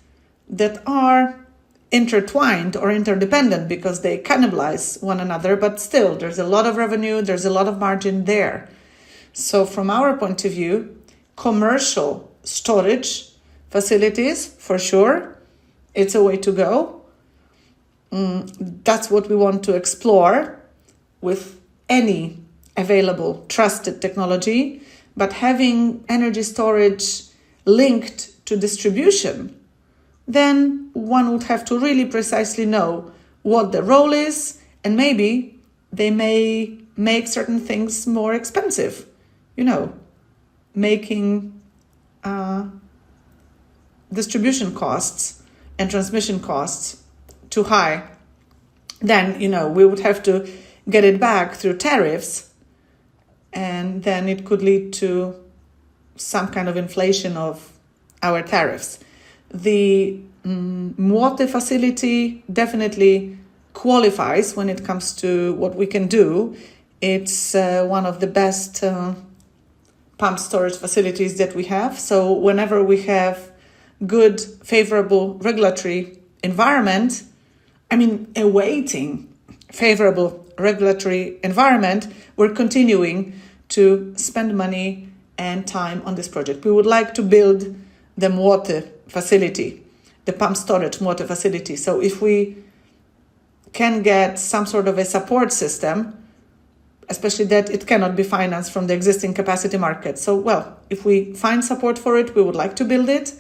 that are intertwined or interdependent because they cannibalize one another. Still, there's a lot of revenue. There's a lot of margin there. From our point of view, commercial storage facilities, for sure, it's a way to go. That's what we want to explore with any available trusted technology. Having energy storage linked to distribution, one would have to really precisely know what the role is. Maybe they may make certain things more expensive, making distribution costs and transmission costs too high. We would have to get it back through tariffs. It could lead to some kind of inflation of our tariffs. The Młote facility definitely qualifies when it comes to what we can do. It is one of the best pump storage facilities that we have. Whenever we have good, favorable regulatory environment, I mean, awaiting favorable regulatory environment, we are continuing to spend money and time on this project. We would like to build the Młote facility, the pump storage Młote facility. If we can get some sort of a support system, especially that it cannot be financed from the existing capacity market, if we find support for it, we would like to build it.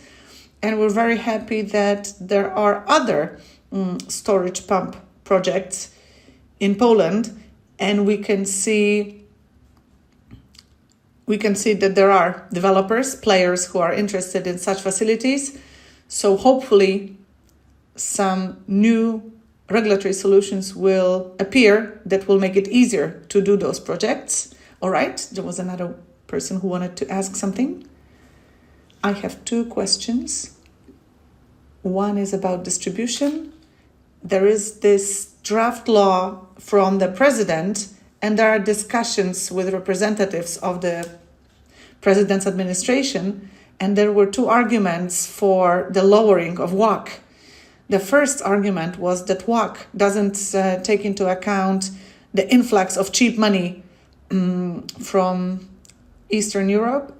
We are very happy that there are other storage pump projects in Poland. We can see that there are developers, players who are interested in such facilities. Hopefully, some new regulatory solutions will appear that will make it easier to do those projects. All right. There was another person who wanted to ask something. I have two questions. One is about distribution. There is this draft law from the president, and there are discussions with representatives of the president's administration. There were two arguments for the lowering of WACC. The first argument was that WACC does not take into account the influx of cheap money from Eastern Europe.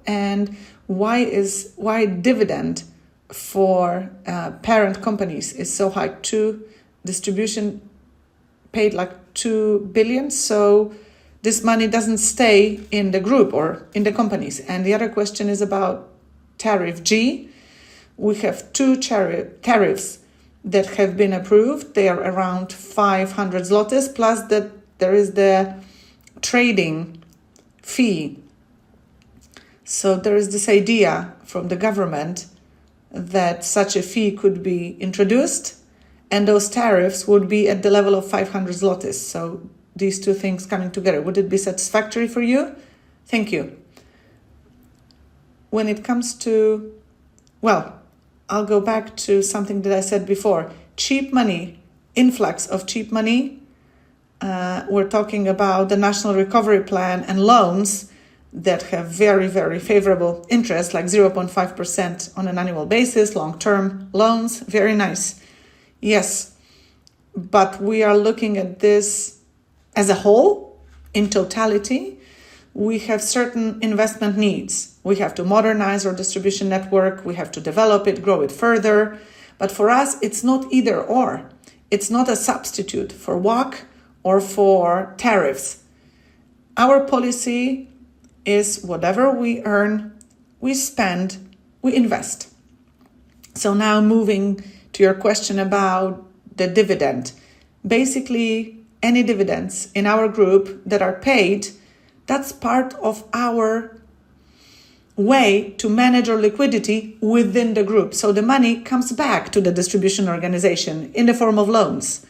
Why is dividend for parent companies so high? Distribution paid like 2 billion. This money does not stay in the group or in the companies. The other question is about tariff G. We have two tariffs that have been approved. They are around 500 zlotys, plus there is the trading fee. There is this idea from the government that such a fee could be introduced, and those tariffs would be at the level of 500 zlotys. These two things coming together, would it be satisfactory for you? Thank you. When it comes to, I will go back to something that I said before. Cheap money, influx of cheap money. We are talking about the national recovery plan and loans that have very, very favorable interest, like 0.5% on an annual basis, long-term loans. Very nice. Yes. We are looking at this as a whole, in totality. We have certain investment needs. We have to modernize our distribution network. We have to develop it, grow it further. For us, it is not either/or. It is not a substitute for WACC or for tariffs. Our policy is whatever we earn, we spend, we invest. Now moving to your question about the dividend. Basically, any dividends in our group that are paid, that's part of our way to manage our liquidity within the group. The money comes back to the distribution organization in the form of loans.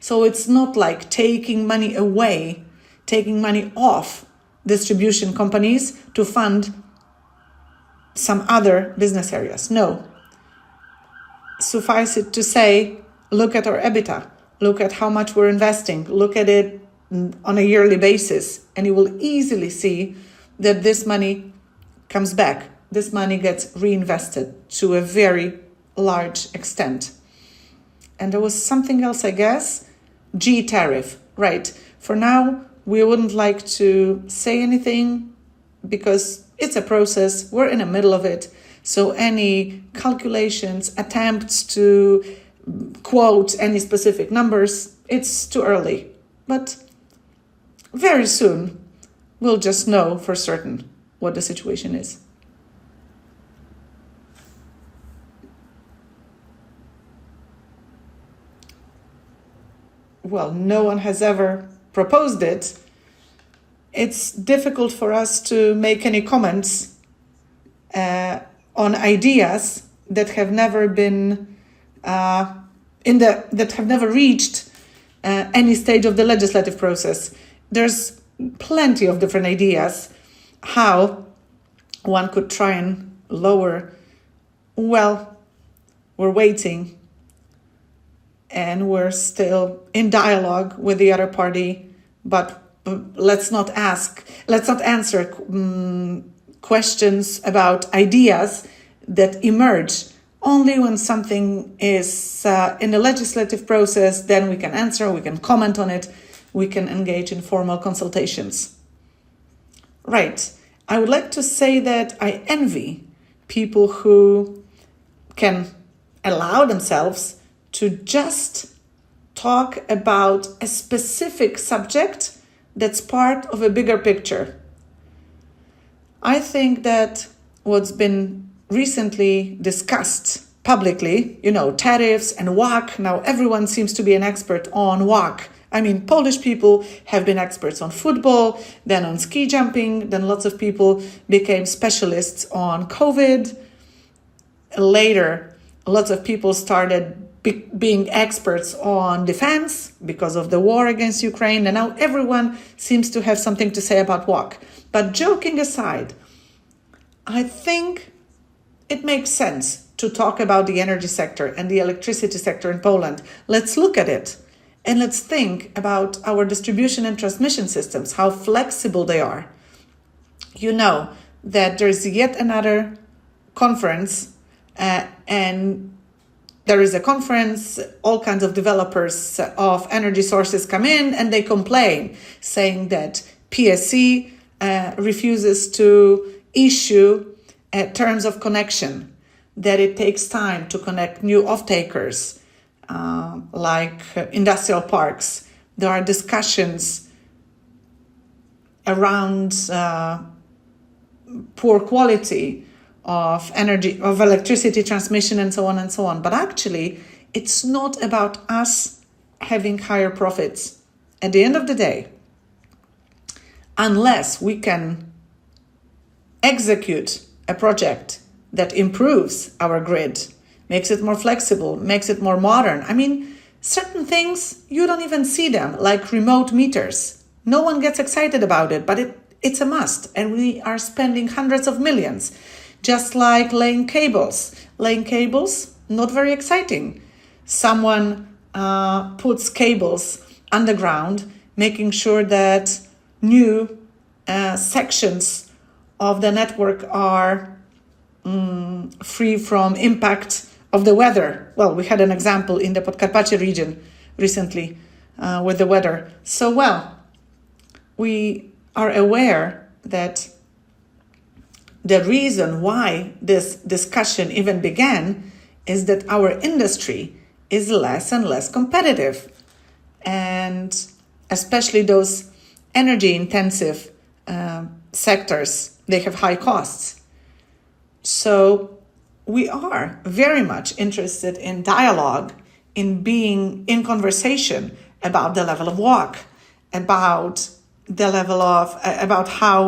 It's not like taking money away, taking money off distribution companies to fund some other business areas. No. Suffice it to say, look at our EBITDA. Look at how much we're investing. Look at it on a yearly basis. You will easily see that this money comes back. This money gets reinvested to a very large extent. There was something else, I guess, G tariff. Right. For now, we wouldn't like to say anything because it's a process. We're in the middle of it. Any calculations, attempts to quote any specific numbers, it's too early. Very soon, we'll just know for certain what the situation is. No one has ever proposed it. It's difficult for us to make any comments on ideas that have never reached any stage of the legislative process. There are plenty of different ideas how one could try and lower. We're waiting. We're still in dialogue with the other party. Let's not answer questions about ideas that emerge. Only when something is in the legislative process, then we can answer. We can comment on it. We can engage in formal consultations. I would like to say that I envy people who can allow themselves to just talk about a specific subject that's part of a bigger picture. I think that what's been recently discussed publicly, you know, tariffs and WACC, now everyone seems to be an expert on WACC. I mean, Polish people have been experts on football, then on ski jumping, then lots of people became specialists on COVID. Later, lots of people started being experts on defense because of the war against Ukraine. Now everyone seems to have something to say about WACC. Joking aside, I think it makes sense to talk about the energy sector and the electricity sector in Poland. Let's look at it. Let's think about our distribution and transmission systems, how flexible they are. You know that there's yet another conference. There is a conference, all kinds of developers of energy sources come in, and they complain, saying that PSE refuses to issue terms of connection, that it takes time to connect new off-takers like industrial parks. There are discussions around poor quality of energy, of electricity transmission, and so on and so on. Actually, it's not about us having higher profits at the end of the day, unless we can execute a project that improves our grid, makes it more flexible, makes it more modern. I mean, certain things, you don't even see them, like remote meters. No one gets excited about it, but it's a must. We are spending hundreds of millions, just like laying cables. Laying cables, not very exciting. Someone puts cables underground, making sure that new sections of the network are free from impact of the weather. We had an example in the Podkarpacie region recently with the weather. We are aware that the reason why this discussion even began is that our industry is less and less competitive. Especially those energy-intensive sectors, they have high costs. We are very much interested in dialogue, in being in conversation about the level of WACC, about the level of how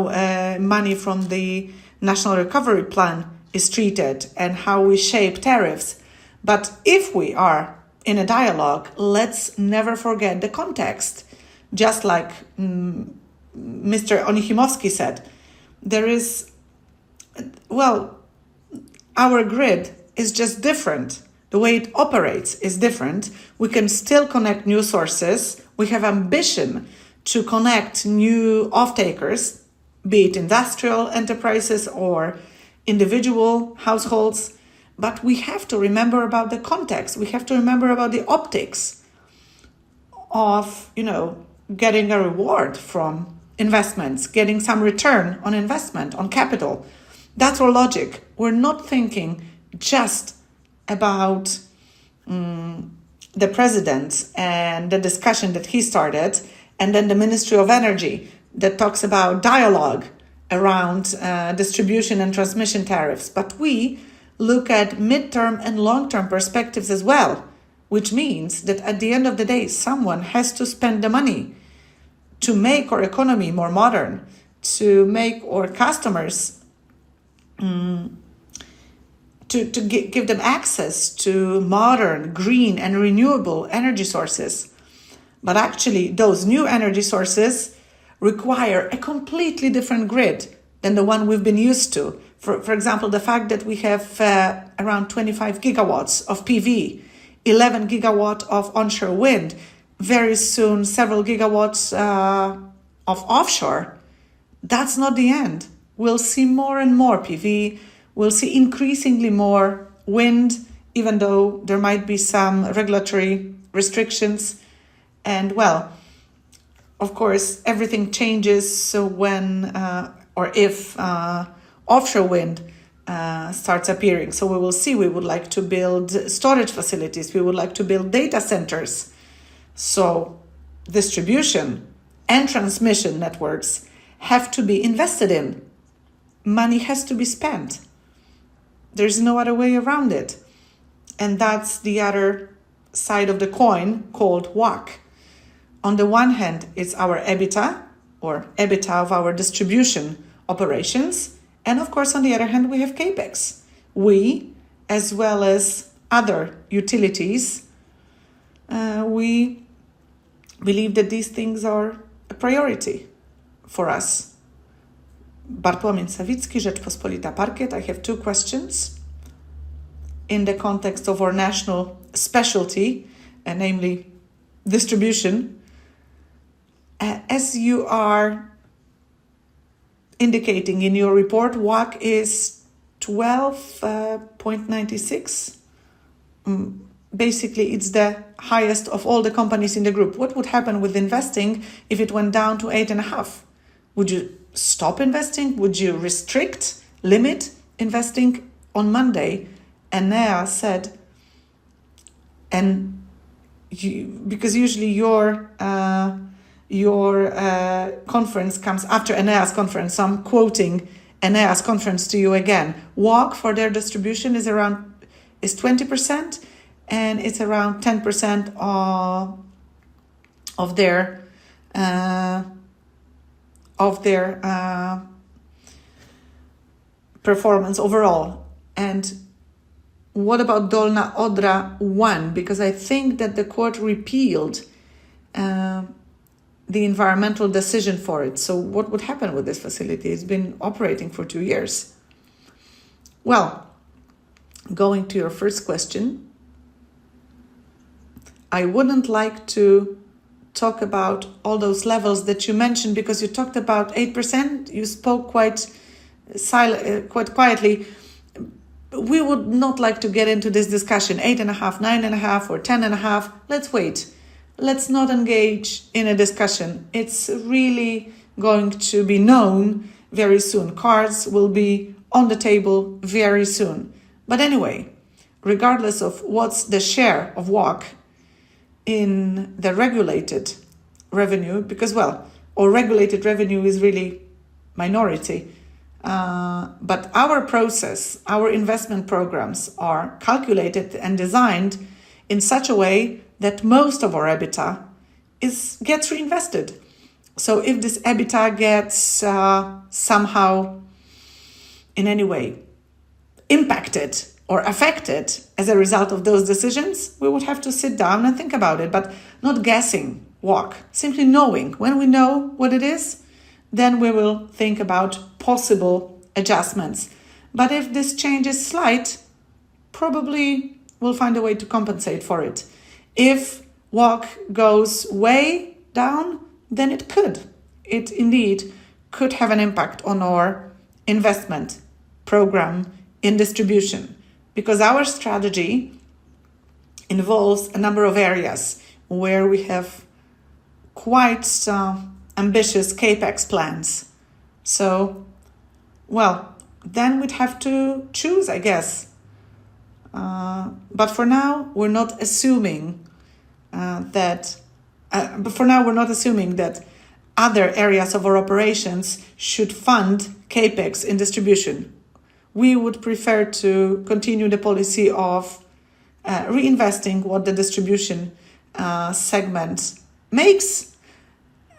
money from the national recovery plan is treated and how we shape tariffs. If we are in a dialogue, let's never forget the context. Just like Mr. Onichimowski said, our grid is just different. The way it operates is different. We can still connect new sources. We have ambition to connect new off-takers, be it industrial enterprises or individual households. We have to remember about the context. We have to remember about the optics of, you know, getting a reward from investments, getting some return on investment, on capital. That's our logic. We're not thinking just about the president and the discussion that he started, and then the Ministry of Energy that talks about dialogue around distribution and transmission tariffs. We look at midterm and long-term perspectives as well, which means that at the end of the day, someone has to spend the money to make our economy more modern, to make our customers, to give them access to modern, green, and renewable energy sources. Actually, those new energy sources require a completely different grid than the one we've been used to. For example, the fact that we have around 25 GW of PV, 11 GW of onshore wind, very soon several gigawatts of offshore. That's not the end. We'll see more and more PV. We'll see increasingly more wind, even though there might be some regulatory restrictions. Of course, everything changes. When or if offshore wind starts appearing, we will see. We would like to build storage facilities. We would like to build data centers. Distribution and transmission networks have to be invested in. Money has to be spent. There is no other way around it. That is the other side of the coin called WACC. On the one hand, it is our EBITDA or EBITDA of our distribution operations. Of course, on the other hand, we have CapEx. We, as well as other utilities, believe that these things are a priority for us.
Bartłomiej Sawicki, Rzeczpospolita Parkiet. I have two questions in the context of our national specialty, namely distribution. As you are indicating in your report, WACC is 12.96%. Basically, it is the highest of all the companies in the group. What would happen with investing if it went down to 8.5%? Would you stop investing? Would you restrict, limit investing on Monday? Enea said, and because usually your conference comes after Enea's conference, so I'm quoting Enea's conference to you again. WACC for their distribution is around is 20%, and it's around 10% of their performance overall. What about Dolna Odra One? I think that the court repealed the environmental decision for it. What would happen with this facility? It's been operating for two years.
Going to your first question, I wouldn't like to talk about all those levels that you mentioned because you talked about 8%. You spoke quite quietly. We would not like to get into this discussion, 8.5, 9.5, or 10.5. Let's wait. Let's not engage in a discussion. It's really going to be known very soon. Cards will be on the table very soon. Anyway, regardless of what's the share of WACC in the regulated revenue, because, well, our regulated revenue is really minority. Our process, our investment programs are calculated and designed in such a way that most of our EBITDA gets reinvested. If this EBITDA gets somehow, in any way, impacted or affected as a result of those decisions, we would have to sit down and think about it, but not guessing WACC. Simply knowing. When we know what it is, then we will think about possible adjustments. If this change is slight, probably we'll find a way to compensate for it. If WACC goes way down, then it could. It indeed could have an impact on our investment program in distribution because our strategy involves a number of areas where we have quite ambitious CapEx plans. Then we'd have to choose, I guess. For now, we're not assuming that other areas of our operations should fund CapEx in distribution. We would prefer to continue the policy of reinvesting what the distribution segment makes.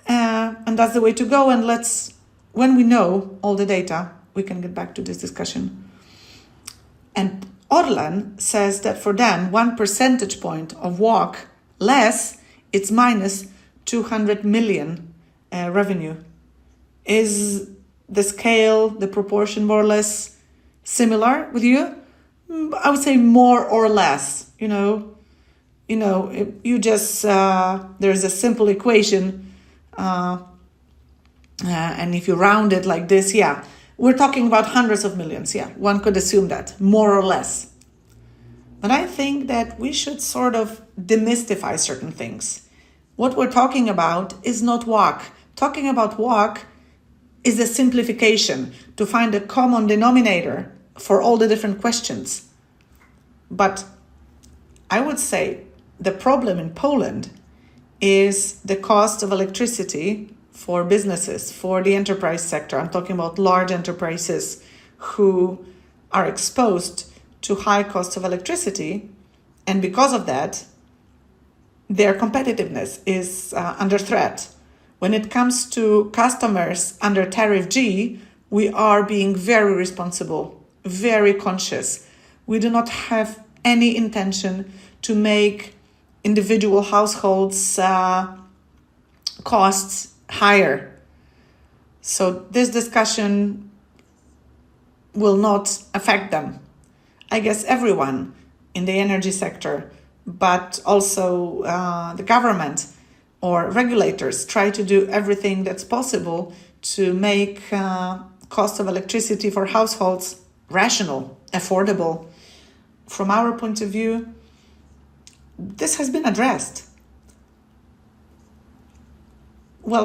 That's the way to go. When we know all the data, we can get back to this discussion.
Orlen says that for them, one percentage point of WACC less, it's minus 200 million revenue. Is the scale, the proportion more or less similar with you?
I would say more or less. You know, there is a simple equation. If you round it like this, we're talking about hundreds of millions. One could assume that more or less. I think that we should sort of demystify certain things. What we're talking about is not WACC. Talking about WACC is a simplification to find a common denominator for all the different questions. I would say the problem in Poland is the cost of electricity for businesses, for the enterprise sector. I'm talking about large enterprises who are exposed to high costs of electricity. Because of that, their competitiveness is under threat. When it comes to customers under tariff G, we are being very responsible, very conscious. We do not have any intention to make individual households' costs higher. This discussion will not affect them. I guess everyone in the energy sector, but also the government or regulators, try to do everything that's possible to make cost of electricity for households rational, affordable. From our point of view, this has been addressed.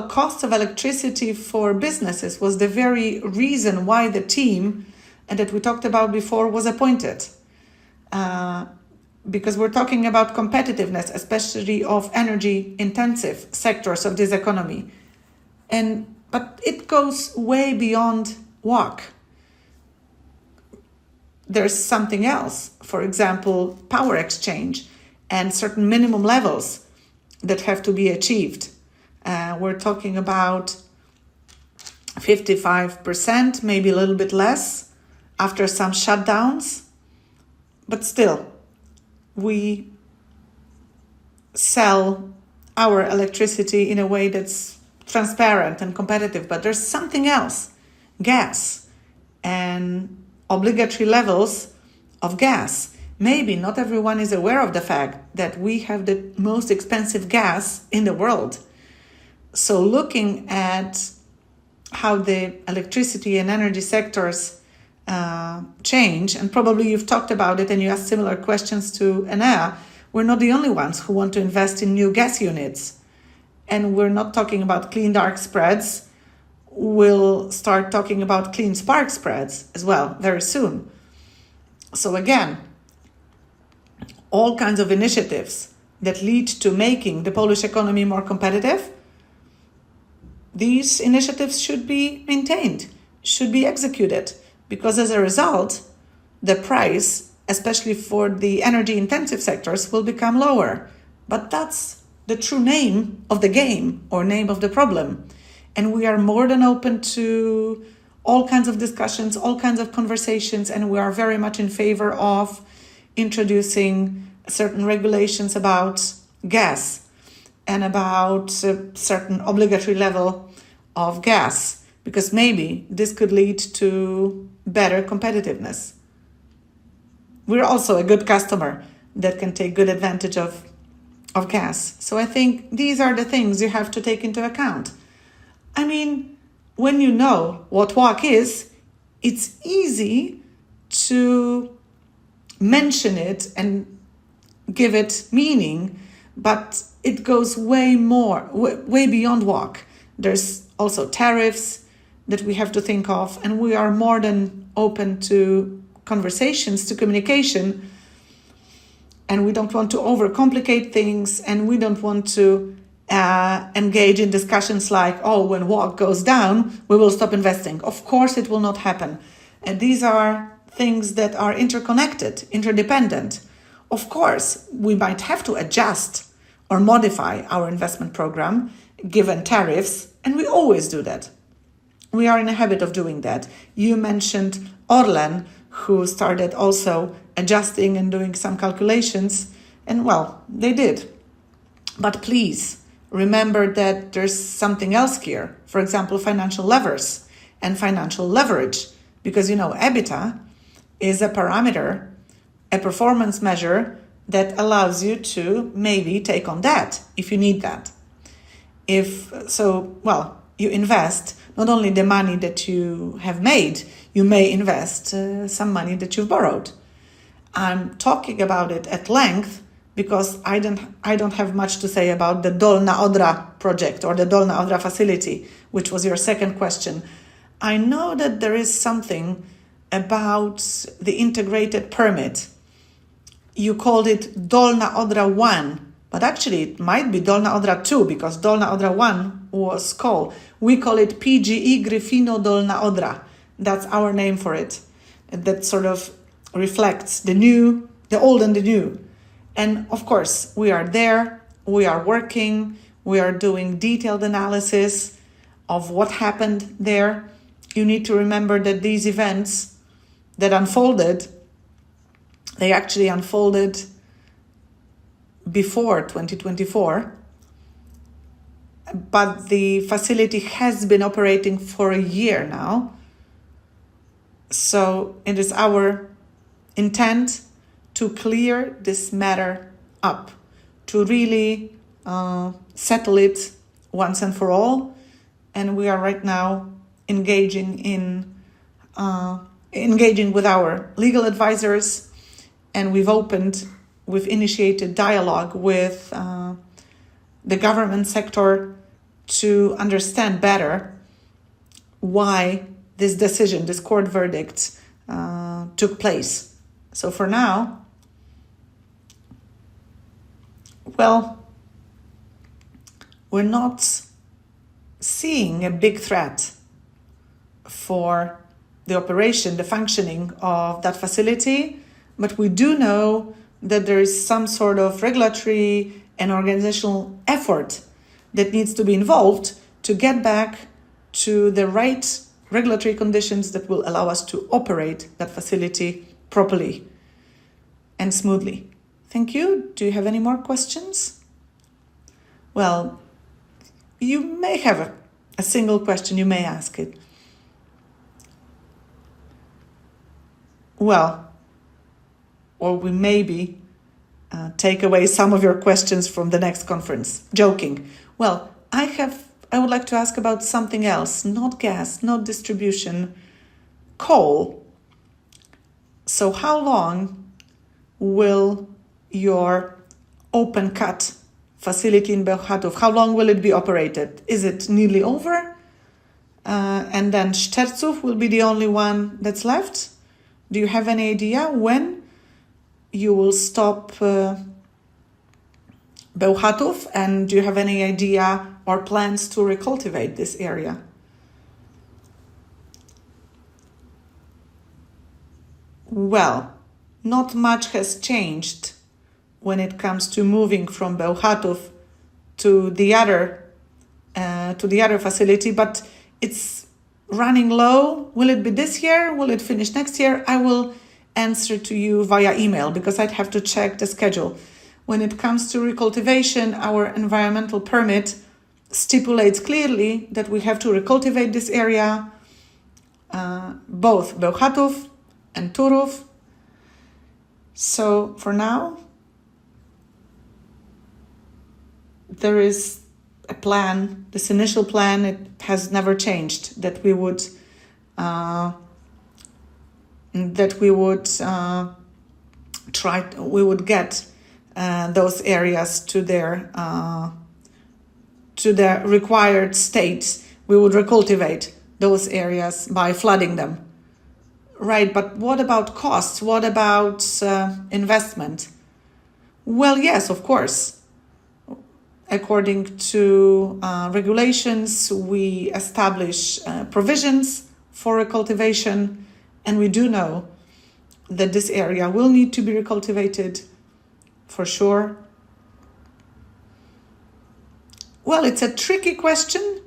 Cost of electricity for businesses was the very reason why the team that we talked about before was appointed, because we're talking about competitiveness, especially of energy-intensive sectors of this economy. It goes way beyond WACC. There's something else, for example, power exchange and certain minimum levels that have to be achieved. We're talking about 55%, maybe a little bit less after some shutdowns. Still, we sell our electricity in a way that's transparent and competitive. There's something else, gas and obligatory levels of gas. Maybe not everyone is aware of the fact that we have the most expensive gas in the world. Looking at how the electricity and energy sectors change, and probably you've talked about it and you asked similar questions to Enea, we're not the only ones who want to invest in new gas units. We are not talking about clean dark spreads. We'll start talking about clean spark spreads as well very soon. All kinds of initiatives that lead to making the Polish economy more competitive, these initiatives should be maintained, should be executed, because as a result, the price, especially for the energy-intensive sectors, will become lower. That is the true name of the game or name of the problem. We are more than open to all kinds of discussions, all kinds of conversations. We are very much in favor of introducing certain regulations about gas and about a certain obligatory level of gas, because maybe this could lead to better competitiveness. We are also a good customer that can take good advantage of gas. I think these are the things you have to take into account. I mean, when you know what WACC is, it's easy to mention it and give it meaning, but it goes way more, way beyond WACC. There are also tariffs that we have to think of, and we are more than open to conversations, to communication. We do not want to overcomplicate things, and we do not want to engage in discussions like, "Oh, when WACC goes down, we will stop investing." Of course, it will not happen. These are things that are interconnected, interdependent. Of course, we might have to adjust or modify our investment program given tariffs, and we always do that. We are in a habit of doing that. You mentioned Orlen, who started also adjusting and doing some calculations. They did. Please remember that there's something else here, for example, financial levers and financial leverage, because, you know, EBITDA is a parameter, a performance measure that allows you to maybe take on debt if you need that. If so, you invest not only the money that you have made, you may invest some money that you've borrowed. I'm talking about it at length because I don't have much to say about the Dolna Odra project or the Dolna Odra facility, which was your second question. I know that there is something about the integrated permit. You called it Dolna Odra One, but actually it might be Dolna Odra Two because Dolna Odra One was called. We call it PGE Gryfino Dolna Odra. That's our name for it. That sort of reflects the new, the old and the new. Of course, we are there. We are working. We are doing detailed analysis of what happened there. You need to remember that these events that unfolded, they actually unfolded before 2024. The facility has been operating for a year now. It is our intent to clear this matter up, to really settle it once and for all. We are right now engaging with our legal advisors. We have opened, we have initiated dialogue with the government sector to understand better why this decision, this court verdict took place. For now, we are not seeing a big threat for the operation, the functioning of that facility, but we do know that there is some sort of regulatory and organizational effort that needs to be involved to get back to the right regulatory conditions that will allow us to operate that facility properly and smoothly. Thank you. Do you have any more questions? You may have a single question. You may ask it. Or we maybe take away some of your questions from the next conference. Joking.
I would like to ask about something else, not gas, not distribution. Coal. How long will your open-cut facility in Bełchatów, how long will it be operated? Is it nearly over? And then Szczerców will be the only one that's left. Do you have any idea when you will stop Bełchatów? And do you have any idea or plans to recultivate this area?
Not much has changed when it comes to moving from Bełchatów to the other facility, but it's running low. Will it be this year? Will it finish next year? I will answer to you via email because I'd have to check the schedule. When it comes to recultivation, our environmental permit stipulates clearly that we have to recultivate this area, both Bełchatów and Turów. For now, there is a plan, this initial plan. It has never changed that we would try, we would get those areas to their required states. We would recultivate those areas by flooding them.
Right. What about costs? What about investment?
Yes, of course. According to regulations, we establish provisions for recultivation, and we do know that this area will need to be recultivated for sure. It's a tricky question,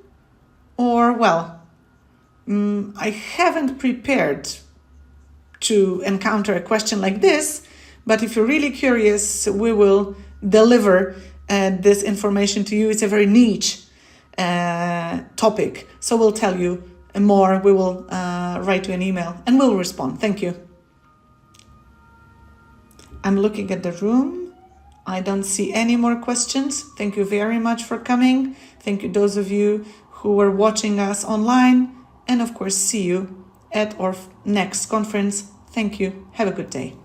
or, I haven't prepared to encounter a question like this, but if you're really curious, we will deliver this information to you. It's a very niche topic. We'll tell you more. We will write you an email and we'll respond.
Thank you.
I'm looking at the room. I don't see any more questions. Thank you very much for coming. Thank you to those of you who are watching us online. Of course, see you at our next conference. Thank you. Have a good day.